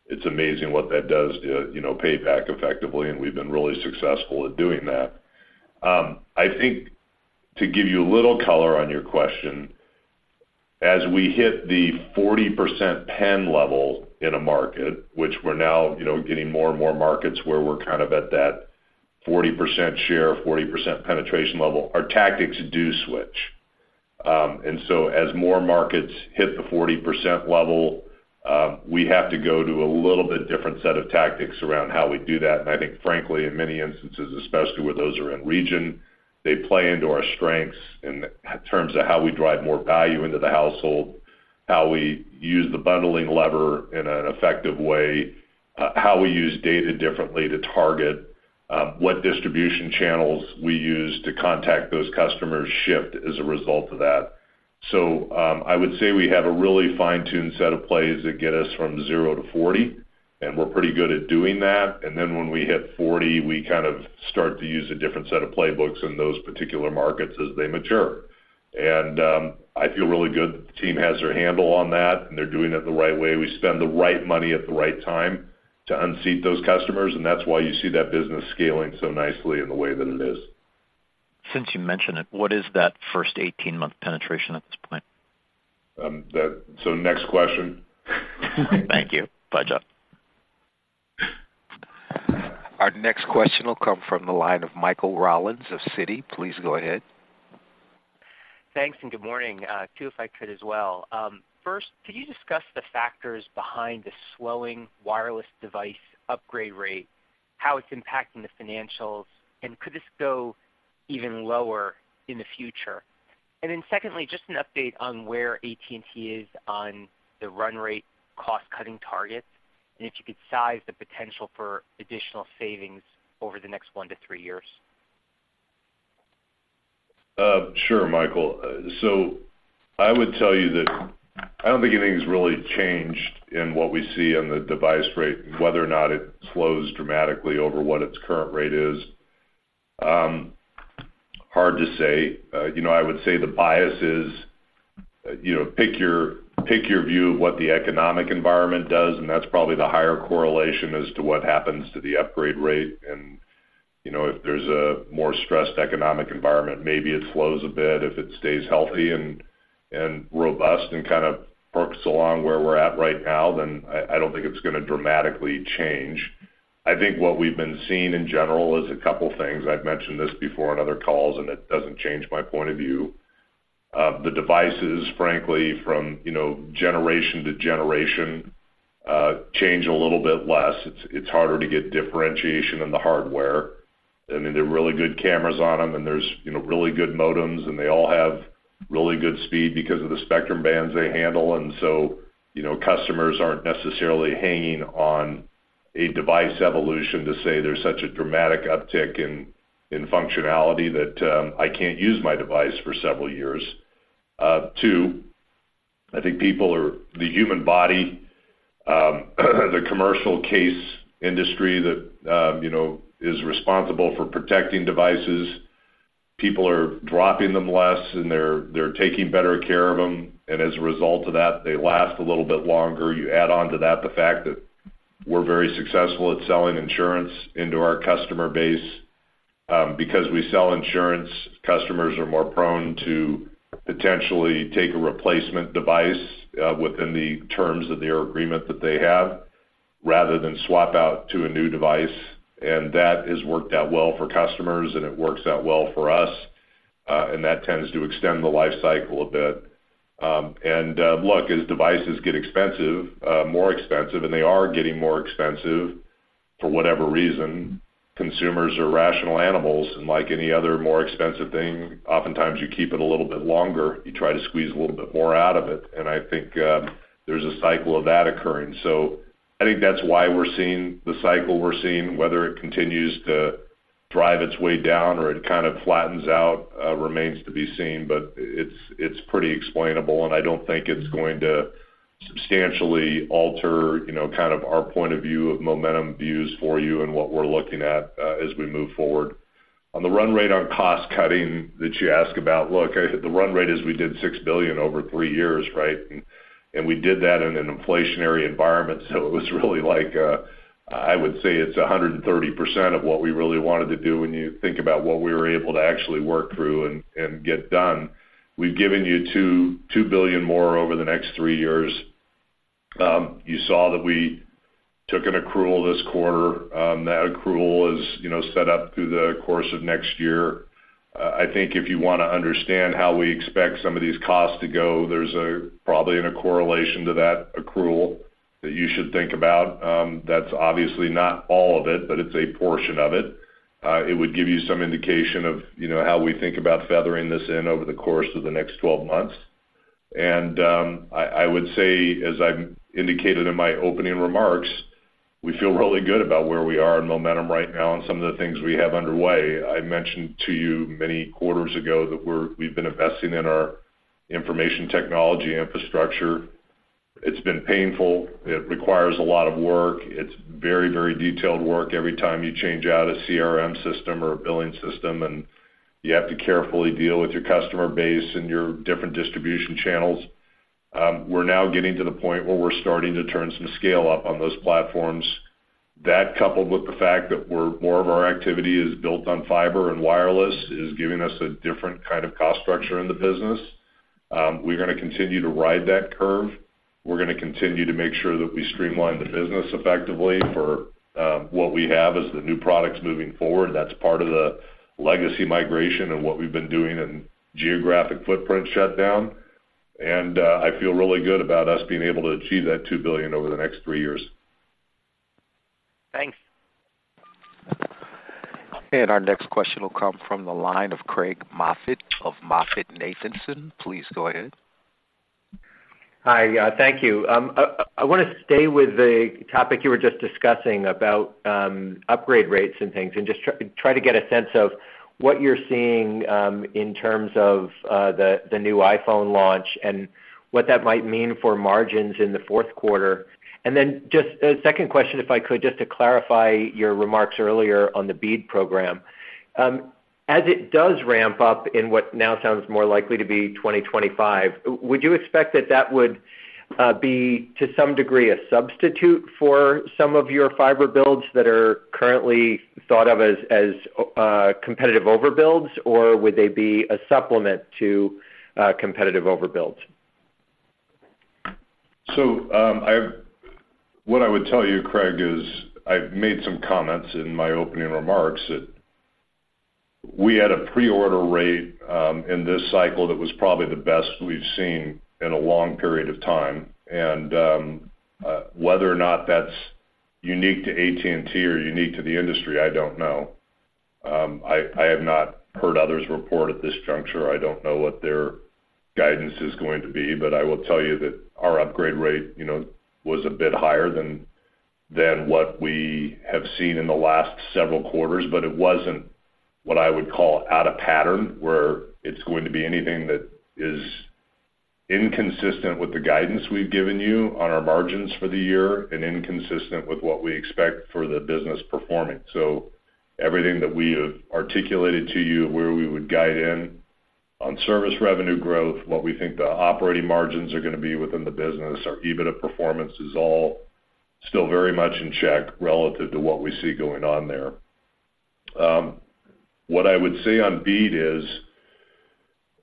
Speaker 3: it's amazing what that does to, you know, pay back effectively, and we've been really successful at doing that. I think to give you a little color on your question, as we hit the 40% pen level in a market, which we're now, you know, getting more and more markets where we're kind of at that 40% share, 40% penetration level, our tactics do switch. And so as more markets hit the 40% level, we have to go to a little bit different set of tactics around how we do that. I think, frankly, in many instances, especially where those are in region, they play into our strengths in terms of how we drive more value into the household, how we use the bundling lever in an effective way, how we use data differently to target what distribution channels we use to contact those customers shift as a result of that. So, I would say we have a really fine-tuned set of plays that get us from 0 to 40, and we're pretty good at doing that. And then when we hit 40, we kind of start to use a different set of playbooks in those particular markets as they mature. And I feel really good that the team has their handle on that, and they're doing it the right way. We spend the right money at the right time to unseat those customers, and that's why you see that business scaling so nicely in the way that it is.
Speaker 8: Since you mentioned it, what is that first 18-month penetration at this point?
Speaker 3: Next question.
Speaker 8: Thank you. Bye, John.
Speaker 1: Our next question will come from the line of Michael Rollins of Citi. Please go ahead.
Speaker 9: Thanks, and good morning. Two, if I could as well. First, could you discuss the factors behind the swelling wireless device upgrade rate, how it's impacting the financials, and could this go even lower in the future? And then secondly, just an update on where AT&T is on the run rate cost-cutting targets, and if you could size the potential for additional savings over the next 1 to 3 years.
Speaker 3: Sure, Michael. So I would tell you that I don't think anything's really changed in what we see in the device rate, whether or not it slows dramatically over what its current rate is. Hard to say. You know, I would say the bias is, you know, pick your, pick your view of what the economic environment does, and that's probably the higher correlation as to what happens to the upgrade rate. And, you know, if there's a more stressed economic environment, maybe it slows a bit. If it stays healthy and robust and kind of perks along where we're at right now, then I don't think it's gonna dramatically change. I think what we've been seeing in general is a couple things. I've mentioned this before on other calls, and it doesn't change my point of view. The devices, frankly, from, you know, generation to generation, change a little bit less. It's harder to get differentiation in the hardware. I mean, there are really good cameras on them, and there's, you know, really good modems, and they all have really good speed because of the spectrum bands they handle. And so, you know, customers aren't necessarily hanging on a device evolution to say there's such a dramatic uptick in functionality that I can't use my device for several years. Two, I think people are the commercial case industry that, you know, is responsible for protecting devices, people are dropping them less, and they're taking better care of them. And as a result of that, they last a little bit longer. You add on to that the fact that we're very successful at selling insurance into our customer base. Because we sell insurance, customers are more prone to potentially take a replacement device within the terms of their agreement that they have, rather than swap out to a new device. And that has worked out well for customers, and it works out well for us, and that tends to extend the life cycle a bit. And look, as devices get expensive, more expensive, and they are getting more expensive for whatever reason, consumers are rational animals, and like any other more expensive thing, oftentimes you keep it a little bit longer. You try to squeeze a little bit more out of it, and I think there's a cycle of that occurring. So I think that's why we're seeing the cycle we're seeing. Whether it continues to drive its way down or it kind of flattens out, remains to be seen, but it's, it's pretty explainable, and I don't think it's going to substantially alter, you know, kind of our point of view of momentum views for you and what we're looking at, as we move forward. On the run rate on cost cutting that you ask about, look, the run rate is we did $6 billion over three years, right? And, and we did that in an inflationary environment, so it was really like, I would say it's 130% of what we really wanted to do when you think about what we were able to actually work through and, and get done. We've given you $2 billion more over the next three years. You saw that we took an accrual this quarter. That accrual is, you know, set up through the course of next year. I think if you wanna understand how we expect some of these costs to go, there's probably a correlation to that accrual that you should think about. That's obviously not all of it, but it's a portion of it. It would give you some indication of, you know, how we think about feathering this in over the course of the next twelve months. And I would say, as I've indicated in my opening remarks, we feel really good about where we are in momentum right now and some of the things we have underway. I mentioned to you many quarters ago that we've been investing in our information technology infrastructure. It's been painful. It requires a lot of work. It's very, very detailed work every time you change out a CRM system or a billing system, and you have to carefully deal with your customer base and your different distribution channels. We're now getting to the point where we're starting to turn some scale up on those platforms. That, coupled with the fact that we're more of our activity is built on fiber and wireless, is giving us a different kind of cost structure in the business. We're gonna continue to ride that curve. We're gonna continue to make sure that we streamline the business effectively for what we have as the new products moving forward. That's part of the legacy migration and what we've been doing in geographic footprint shutdown. I feel really good about us being able to achieve that $2 billion over the next 3 years.
Speaker 9: Thanks.
Speaker 1: Our next question will come from the line of Craig Moffett of MoffettNathanson. Please go ahead.
Speaker 10: Hi, thank you. I wanna stay with the topic you were just discussing about upgrade rates and things, and just try to get a sense of what you're seeing in terms of the new iPhone launch and what that might mean for margins in the fourth quarter. And then just a second question, if I could, just to clarify your remarks earlier on the BEAD program. As it does ramp up in what now sounds more likely to be 2025, would you expect that would be to some degree a substitute for some of your fiber builds that are currently thought of as competitive overbuilds, or would they be a supplement to competitive overbuilds?
Speaker 3: So, what I would tell you, Craig, is I've made some comments in my opening remarks that we had a pre-order rate in this cycle that was probably the best we've seen in a long period of time. And whether or not that's unique to AT&T or unique to the industry, I don't know. I have not heard others report at this juncture. I don't know what their guidance is going to be, but I will tell you that our upgrade rate, you know, was a bit higher than what we have seen in the last several quarters, but it wasn't what I would call out of pattern, where it's going to be anything inconsistent with the guidance we've given you on our margins for the year and inconsistent with what we expect for the business performing. So everything that we have articulated to you, where we would guide in on service revenue growth, what we think the operating margins are gonna be within the business, our EBITDA performance is all still very much in check relative to what we see going on there. What I would say on BEAD is,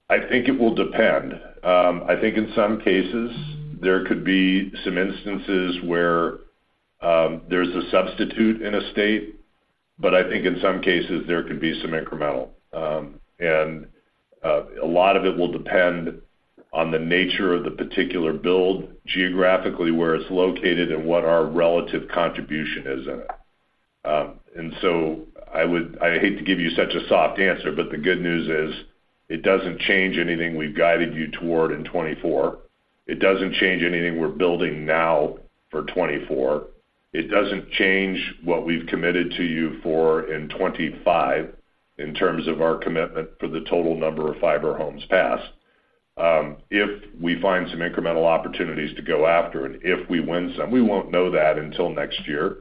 Speaker 3: I think it will depend. I think in some cases, there could be some instances where, there's a substitute in a state, but I think in some cases there could be some incremental. And a lot of it will depend on the nature of the particular build, geographically, where it's located and what our relative contribution is in it. And so I would. I hate to give you such a soft answer, but the good news is, it doesn't change anything we've guided you toward in 2024. It doesn't change anything we're building now for 2024. It doesn't change what we've committed to you for in 2025, in terms of our commitment for the total number of fiber homes passed. If we find some incremental opportunities to go after, and if we win some, we won't know that until next year.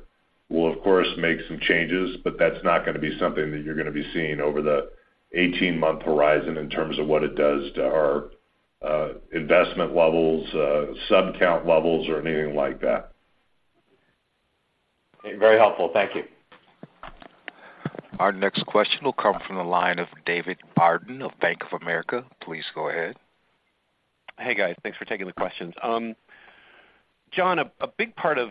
Speaker 3: We'll, of course, make some changes, but that's not gonna be something that you're gonna be seeing over the 18-month horizon in terms of what it does to our, investment levels, sub count levels, or anything like that.
Speaker 10: Very helpful. Thank you.
Speaker 1: Our next question will come from the line of David Barden of Bank of America. Please go ahead.
Speaker 11: Hey, guys. Thanks for taking the questions. John, a big part of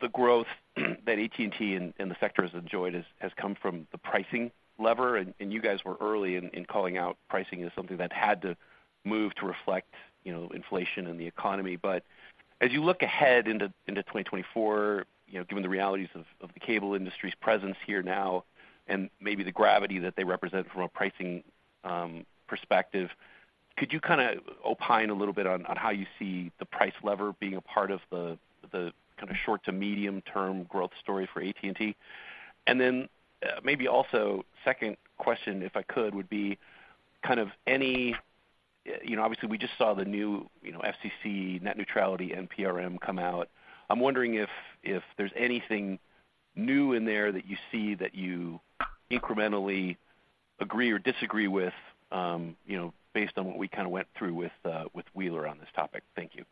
Speaker 11: the growth that AT&T and the sector has enjoyed is has come from the pricing lever, and you guys were early in calling out pricing as something that had to move to reflect, you know, inflation and the economy. But as you look ahead into 2024, you know, given the realities of the cable industry's presence here now, and maybe the gravity that they represent from a pricing perspective, could you kinda opine a little bit on how you see the price lever being a part of the kinda short to medium-term growth story for AT&T? And then, maybe also, second question, if I could, would be, kind of any... You know, obviously, we just saw the new, you know, FCC, net neutrality, NPRM come out. I'm wondering if there's anything new in there that you see that you incrementally agree or disagree with, you know, based on what we kinda went through with Wheeler on this topic. Thank you.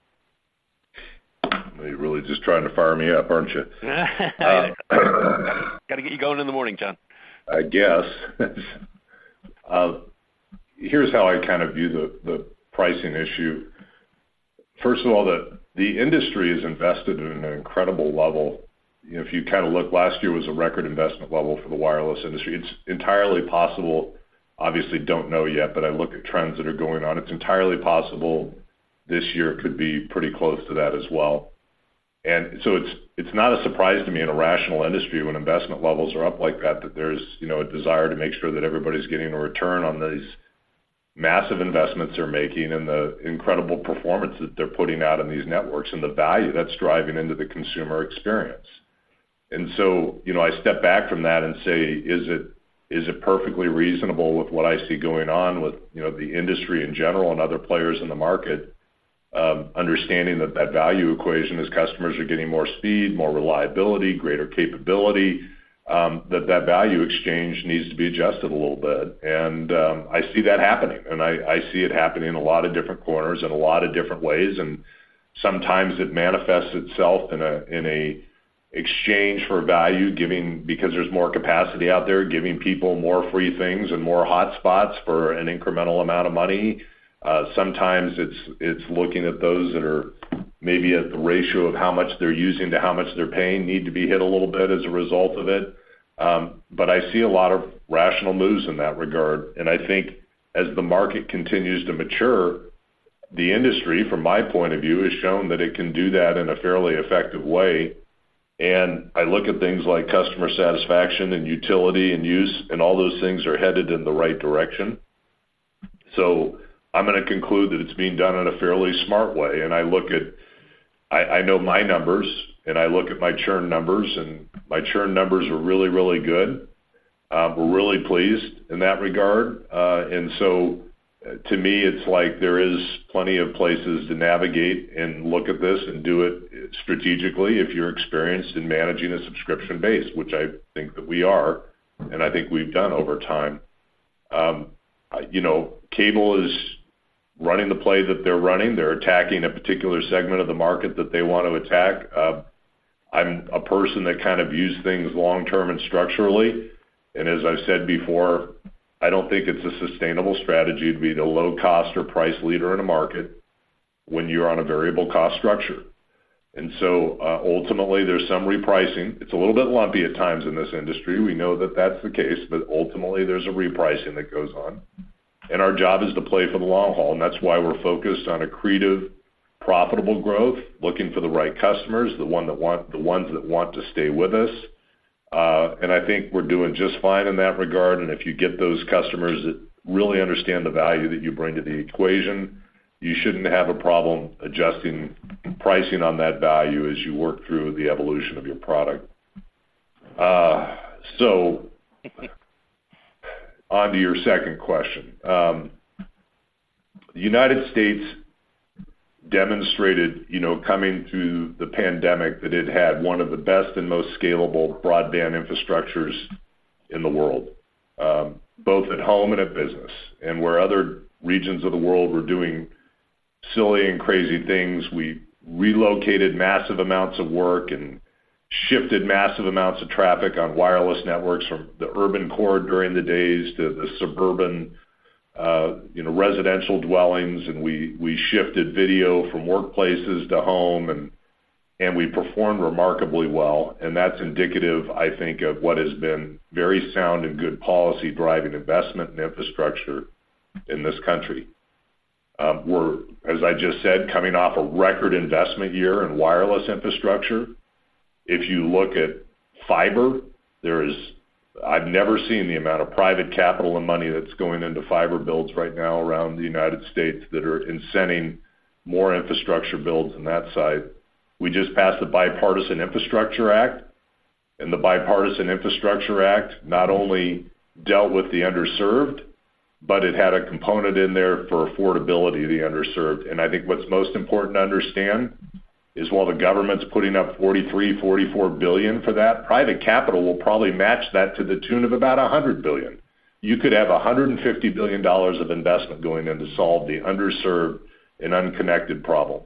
Speaker 3: You're really just trying to fire me up, aren't you?
Speaker 11: Gotta get you going in the morning, John.
Speaker 3: I guess. Here's how I kind of view the pricing issue. First of all, the industry is invested in an incredible level. You know, if you kinda look, last year was a record investment level for the wireless industry. It's entirely possible, obviously, don't know yet, but I look at trends that are going on. It's entirely possible this year could be pretty close to that as well. And so it's not a surprise to me, in a rational industry, when investment levels are up like that, that there's, you know, a desire to make sure that everybody's getting a return on these massive investments they're making and the incredible performance that they're putting out on these networks and the value that's driving into the consumer experience. And so, you know, I step back from that and say: Is it, is it perfectly reasonable with what I see going on with, you know, the industry in general and other players in the market, understanding that, that value equation, as customers are getting more speed, more reliability, greater capability, that, that value exchange needs to be adjusted a little bit? And, I see that happening, and I, I see it happening in a lot of different corners, in a lot of different ways, and sometimes it manifests itself in an exchange for value, giving, because there's more capacity out there, giving people more free things and more hotspots for an incremental amount of money. Sometimes it's looking at those that are maybe at the ratio of how much they're using to how much they're paying, need to be hit a little bit as a result of it. But I see a lot of rational moves in that regard, and I think as the market continues to mature, the industry, from my point of view, has shown that it can do that in a fairly effective way. And I look at things like customer satisfaction and utility and use, and all those things are headed in the right direction. So I'm gonna conclude that it's being done in a fairly smart way. And I look at—I know my numbers, and I look at my churn numbers, and my churn numbers are really, really good. We're really pleased in that regard. And so to me, it's like there is plenty of places to navigate and look at this and do it strategically, if you're experienced in managing a subscription base, which I think that we are, and I think we've done over time. You know, cable is running the play that they're running. They're attacking a particular segment of the market that they want to attack. I'm a person that kind of views things long-term and structurally, and as I've said before, I don't think it's a sustainable strategy to be the low cost or price leader in a market when you're on a variable cost structure. And so, ultimately, there's some repricing. It's a little bit lumpy at times in this industry. We know that that's the case, but ultimately, there's a repricing that goes on. Our job is to play for the long haul, and that's why we're focused on accretive, profitable growth, looking for the right customers, the one that want-- the ones that want to stay with us. I think we're doing just fine in that regard. If you get those customers that really understand the value that you bring to the equation, you shouldn't have a problem adjusting pricing on that value as you work through the evolution of your product... On to your second question. The United States demonstrated, you know, coming through the pandemic, that it had one of the best and most scalable broadband infrastructures in the world, both at home and at business. Where other regions of the world were doing silly and crazy things, we relocated massive amounts of work and shifted massive amounts of traffic on wireless networks from the urban core during the days to the suburban, you know, residential dwellings, and we, we shifted video from workplaces to home, and, and we performed remarkably well, and that's indicative, I think, of what has been very sound and good policy, driving investment and infrastructure in this country. We're, as I just said, coming off a record investment year in wireless infrastructure. If you look at fiber, there is. I've never seen the amount of private capital and money that's going into fiber builds right now around the United States that are incenting more infrastructure builds on that side. We just passed the Bipartisan Infrastructure Act, and the Bipartisan Infrastructure Act not only dealt with the underserved, but it had a component in there for affordability of the underserved. And I think what's most important to understand, is while the government's putting up $43-$44 billion for that, private capital will probably match that to the tune of about $100 billion. You could have $150 billion of investment going in to solve the underserved and unconnected problem.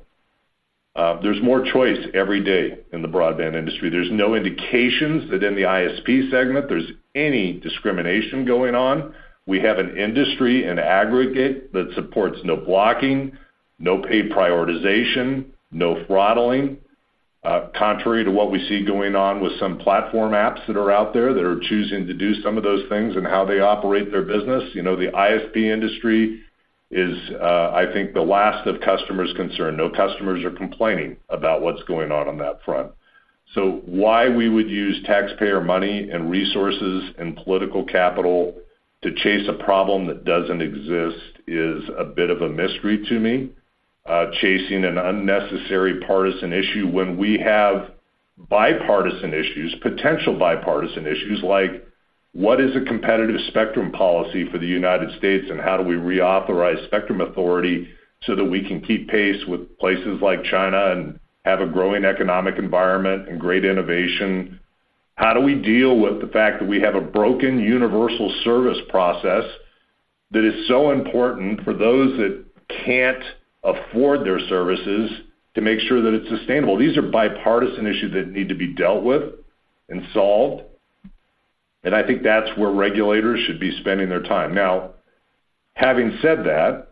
Speaker 3: There's more choice every day in the broadband industry. There's no indications that in the ISP segment, there's any discrimination going on. We have an industry, an aggregate, that supports no blocking, no paid prioritization, no throttling, contrary to what we see going on with some platform apps that are out there, that are choosing to do some of those things and how they operate their business. You know, the ISP industry is, I think, the last of customers' concern. No customers are complaining about what's going on on that front. So why we would use taxpayer money and resources and political capital to chase a problem that doesn't exist, is a bit of a mystery to me. Chasing an unnecessary partisan issue when we have bipartisan issues, potential bipartisan issues, like, what is a competitive spectrum policy for the United States, and how do we reauthorize spectrum authority so that we can keep pace with places like China and have a growing economic environment and great innovation? How do we deal with the fact that we have a broken universal service process that is so important for those that can't afford their services, to make sure that it's sustainable? These are bipartisan issues that need to be dealt with and solved, and I think that's where regulators should be spending their time. Now, having said that,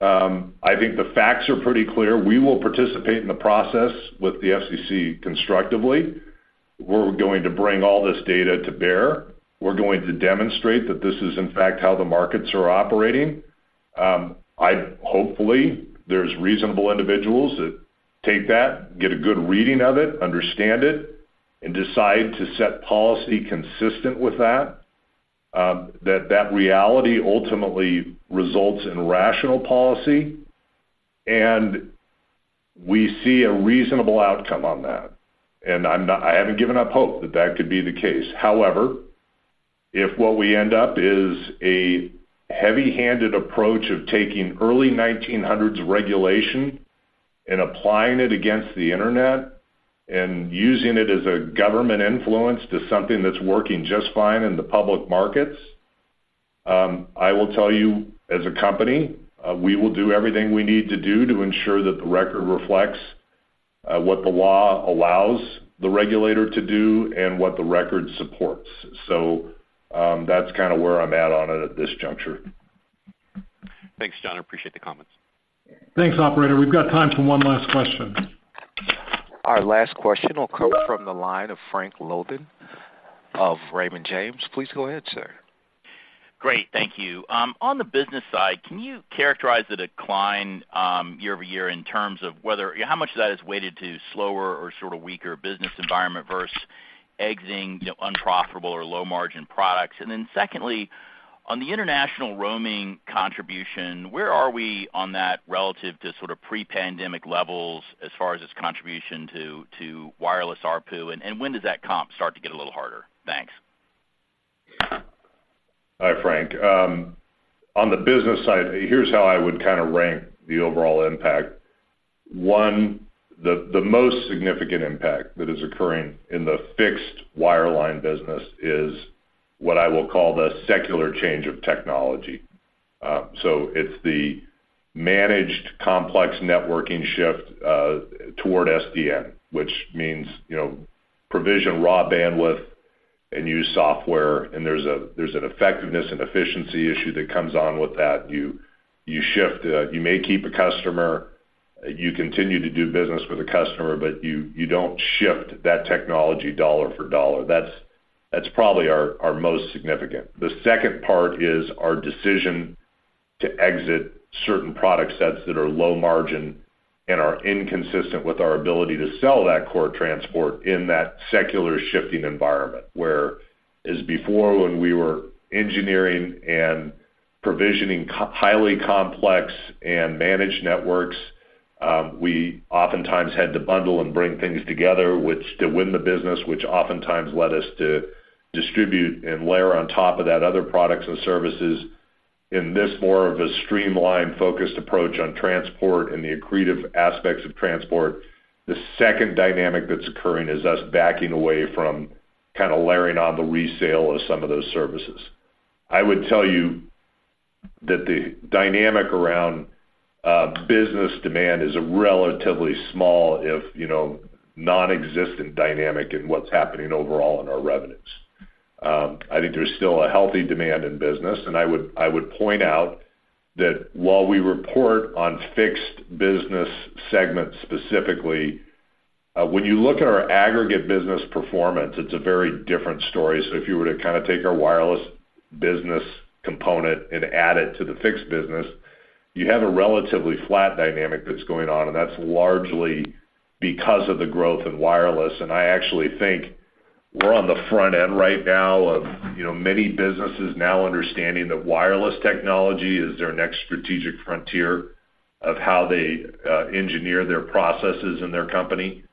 Speaker 3: I think the facts are pretty clear. We will participate in the process with the FCC constructively. We're going to bring all this data to bear. We're going to demonstrate that this is, in fact, how the markets are operating. I hopefully, there's reasonable individuals that take that, get a good reading of it, understand it, and decide to set policy consistent with that. That, that reality ultimately results in rational policy, and we see a reasonable outcome on that. And I'm not. I haven't given up hope that that could be the case. However, if what we end up is a heavy-handed approach of taking early 1900s regulation and applying it against the internet, and using it as a government influence to something that's working just fine in the public markets, I will tell you, as a company, we will do everything we need to do to ensure that the record reflects, what the law allows the regulator to do and what the record supports. So, that's kinda where I'm at on it at this juncture.
Speaker 11: Thanks, John. I appreciate the comments.
Speaker 2: Thanks, operator. We've got time for one last question.
Speaker 1: Our last question will come from the line of Frank Louthan of Raymond James. Please go ahead, sir.
Speaker 12: Great, thank you. On the business side, can you characterize the decline year-over-year in terms of whether... How much of that is weighted to slower or sort of weaker business environment versus exiting, you know, unprofitable or low-margin products? And then secondly, on the international roaming contribution, where are we on that relative to sort of pre-pandemic levels as far as its contribution to wireless ARPU, and when does that comp start to get a little harder? Thanks.
Speaker 3: Hi, Frank. On the business side, here's how I would kind of rank the overall impact. One, the most significant impact that is occurring in the fixed wireline business is what I will call the secular change of technology. So it's the managed complex networking shift toward SDN, which means, you know, provision raw bandwidth and use software, and there's an effectiveness and efficiency issue that comes on with that. You shift, you may keep a customer, you continue to do business with a customer, but you don't shift that technology dollar for dollar. That's probably our most significant. The second part is our decision to exit certain product sets that are low margin and are inconsistent with our ability to sell that core transport in that secular shifting environment, where as before, when we were engineering and provisioning highly complex and managed networks... we oftentimes had to bundle and bring things together, which, to win the business, which oftentimes led us to distribute and layer on top of that other products and services. In this more of a streamlined, focused approach on transport and the accretive aspects of transport, the second dynamic that's occurring is us backing away from kind of layering on the resale of some of those services. I would tell you that the dynamic around business demand is a relatively small, if, you know, nonexistent dynamic in what's happening overall in our revenues. I think there's still a healthy demand in business, and I would, I would point out that while we report on fixed business segments, specifically, when you look at our aggregate business performance, it's a very different story. So if you were to kind of take our wireless business component and add it to the fixed business, you have a relatively flat dynamic that's going on, and that's largely because of the growth in wireless. And I actually think we're on the front end right now of, you know, many businesses now understanding that wireless technology is their next strategic frontier of how they, engineer their processes in their company.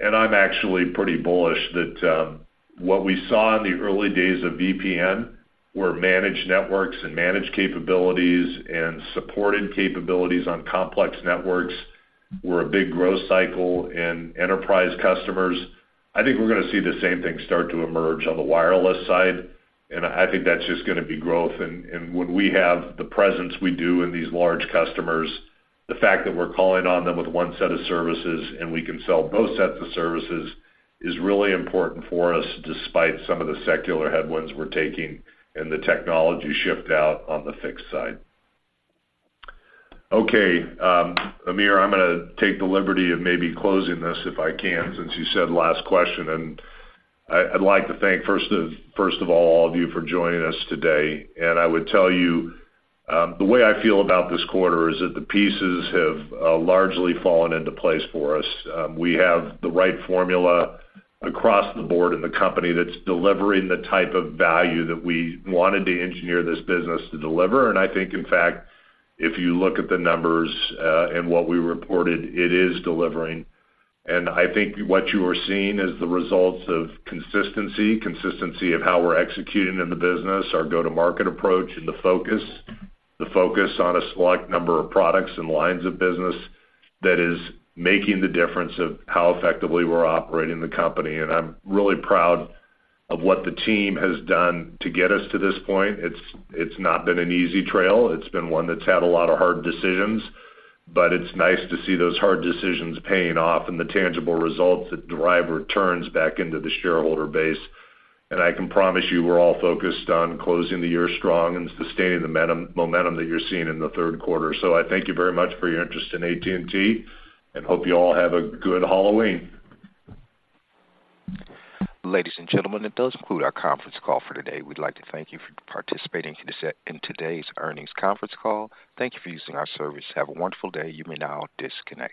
Speaker 3: And I'm actually pretty bullish that, what we saw in the early days of VPN were managed networks and managed capabilities, and supported capabilities on complex networks were a big growth cycle in enterprise customers. I think we're gonna see the same thing start to emerge on the wireless side, and I think that's just gonna be growth. And when we have the presence we do in these large customers, the fact that we're calling on them with one set of services, and we can sell both sets of services, is really important for us, despite some of the secular headwinds we're taking and the technology shift out on the fixed side. Okay, Amir, I'm gonna take the liberty of maybe closing this if I can, since you said last question, and I'd like to thank, first of all, all of you for joining us today. And I would tell you, the way I feel about this quarter is that the pieces have largely fallen into place for us. We have the right formula across the board in the company that's delivering the type of value that we wanted to engineer this business to deliver. And I think, in fact, if you look at the numbers, and what we reported, it is delivering. And I think what you are seeing is the results of consistency, consistency of how we're executing in the business, our go-to-market approach, and the focus, the focus on a select number of products and lines of business that is making the difference of how effectively we're operating the company. And I'm really proud of what the team has done to get us to this point. It's not been an easy trail. It's been one that's had a lot of hard decisions, but it's nice to see those hard decisions paying off and the tangible results that drive returns back into the shareholder base. And I can promise you, we're all focused on closing the year strong and sustaining the momentum that you're seeing in the third quarter. So I thank you very much for your interest in AT&T, and hope you all have a good Halloween.
Speaker 1: Ladies and gentlemen, that does conclude our conference call for today. We'd like to thank you for participating in this, in today's earnings conference call. Thank you for using our service. Have a wonderful day. You may now disconnect.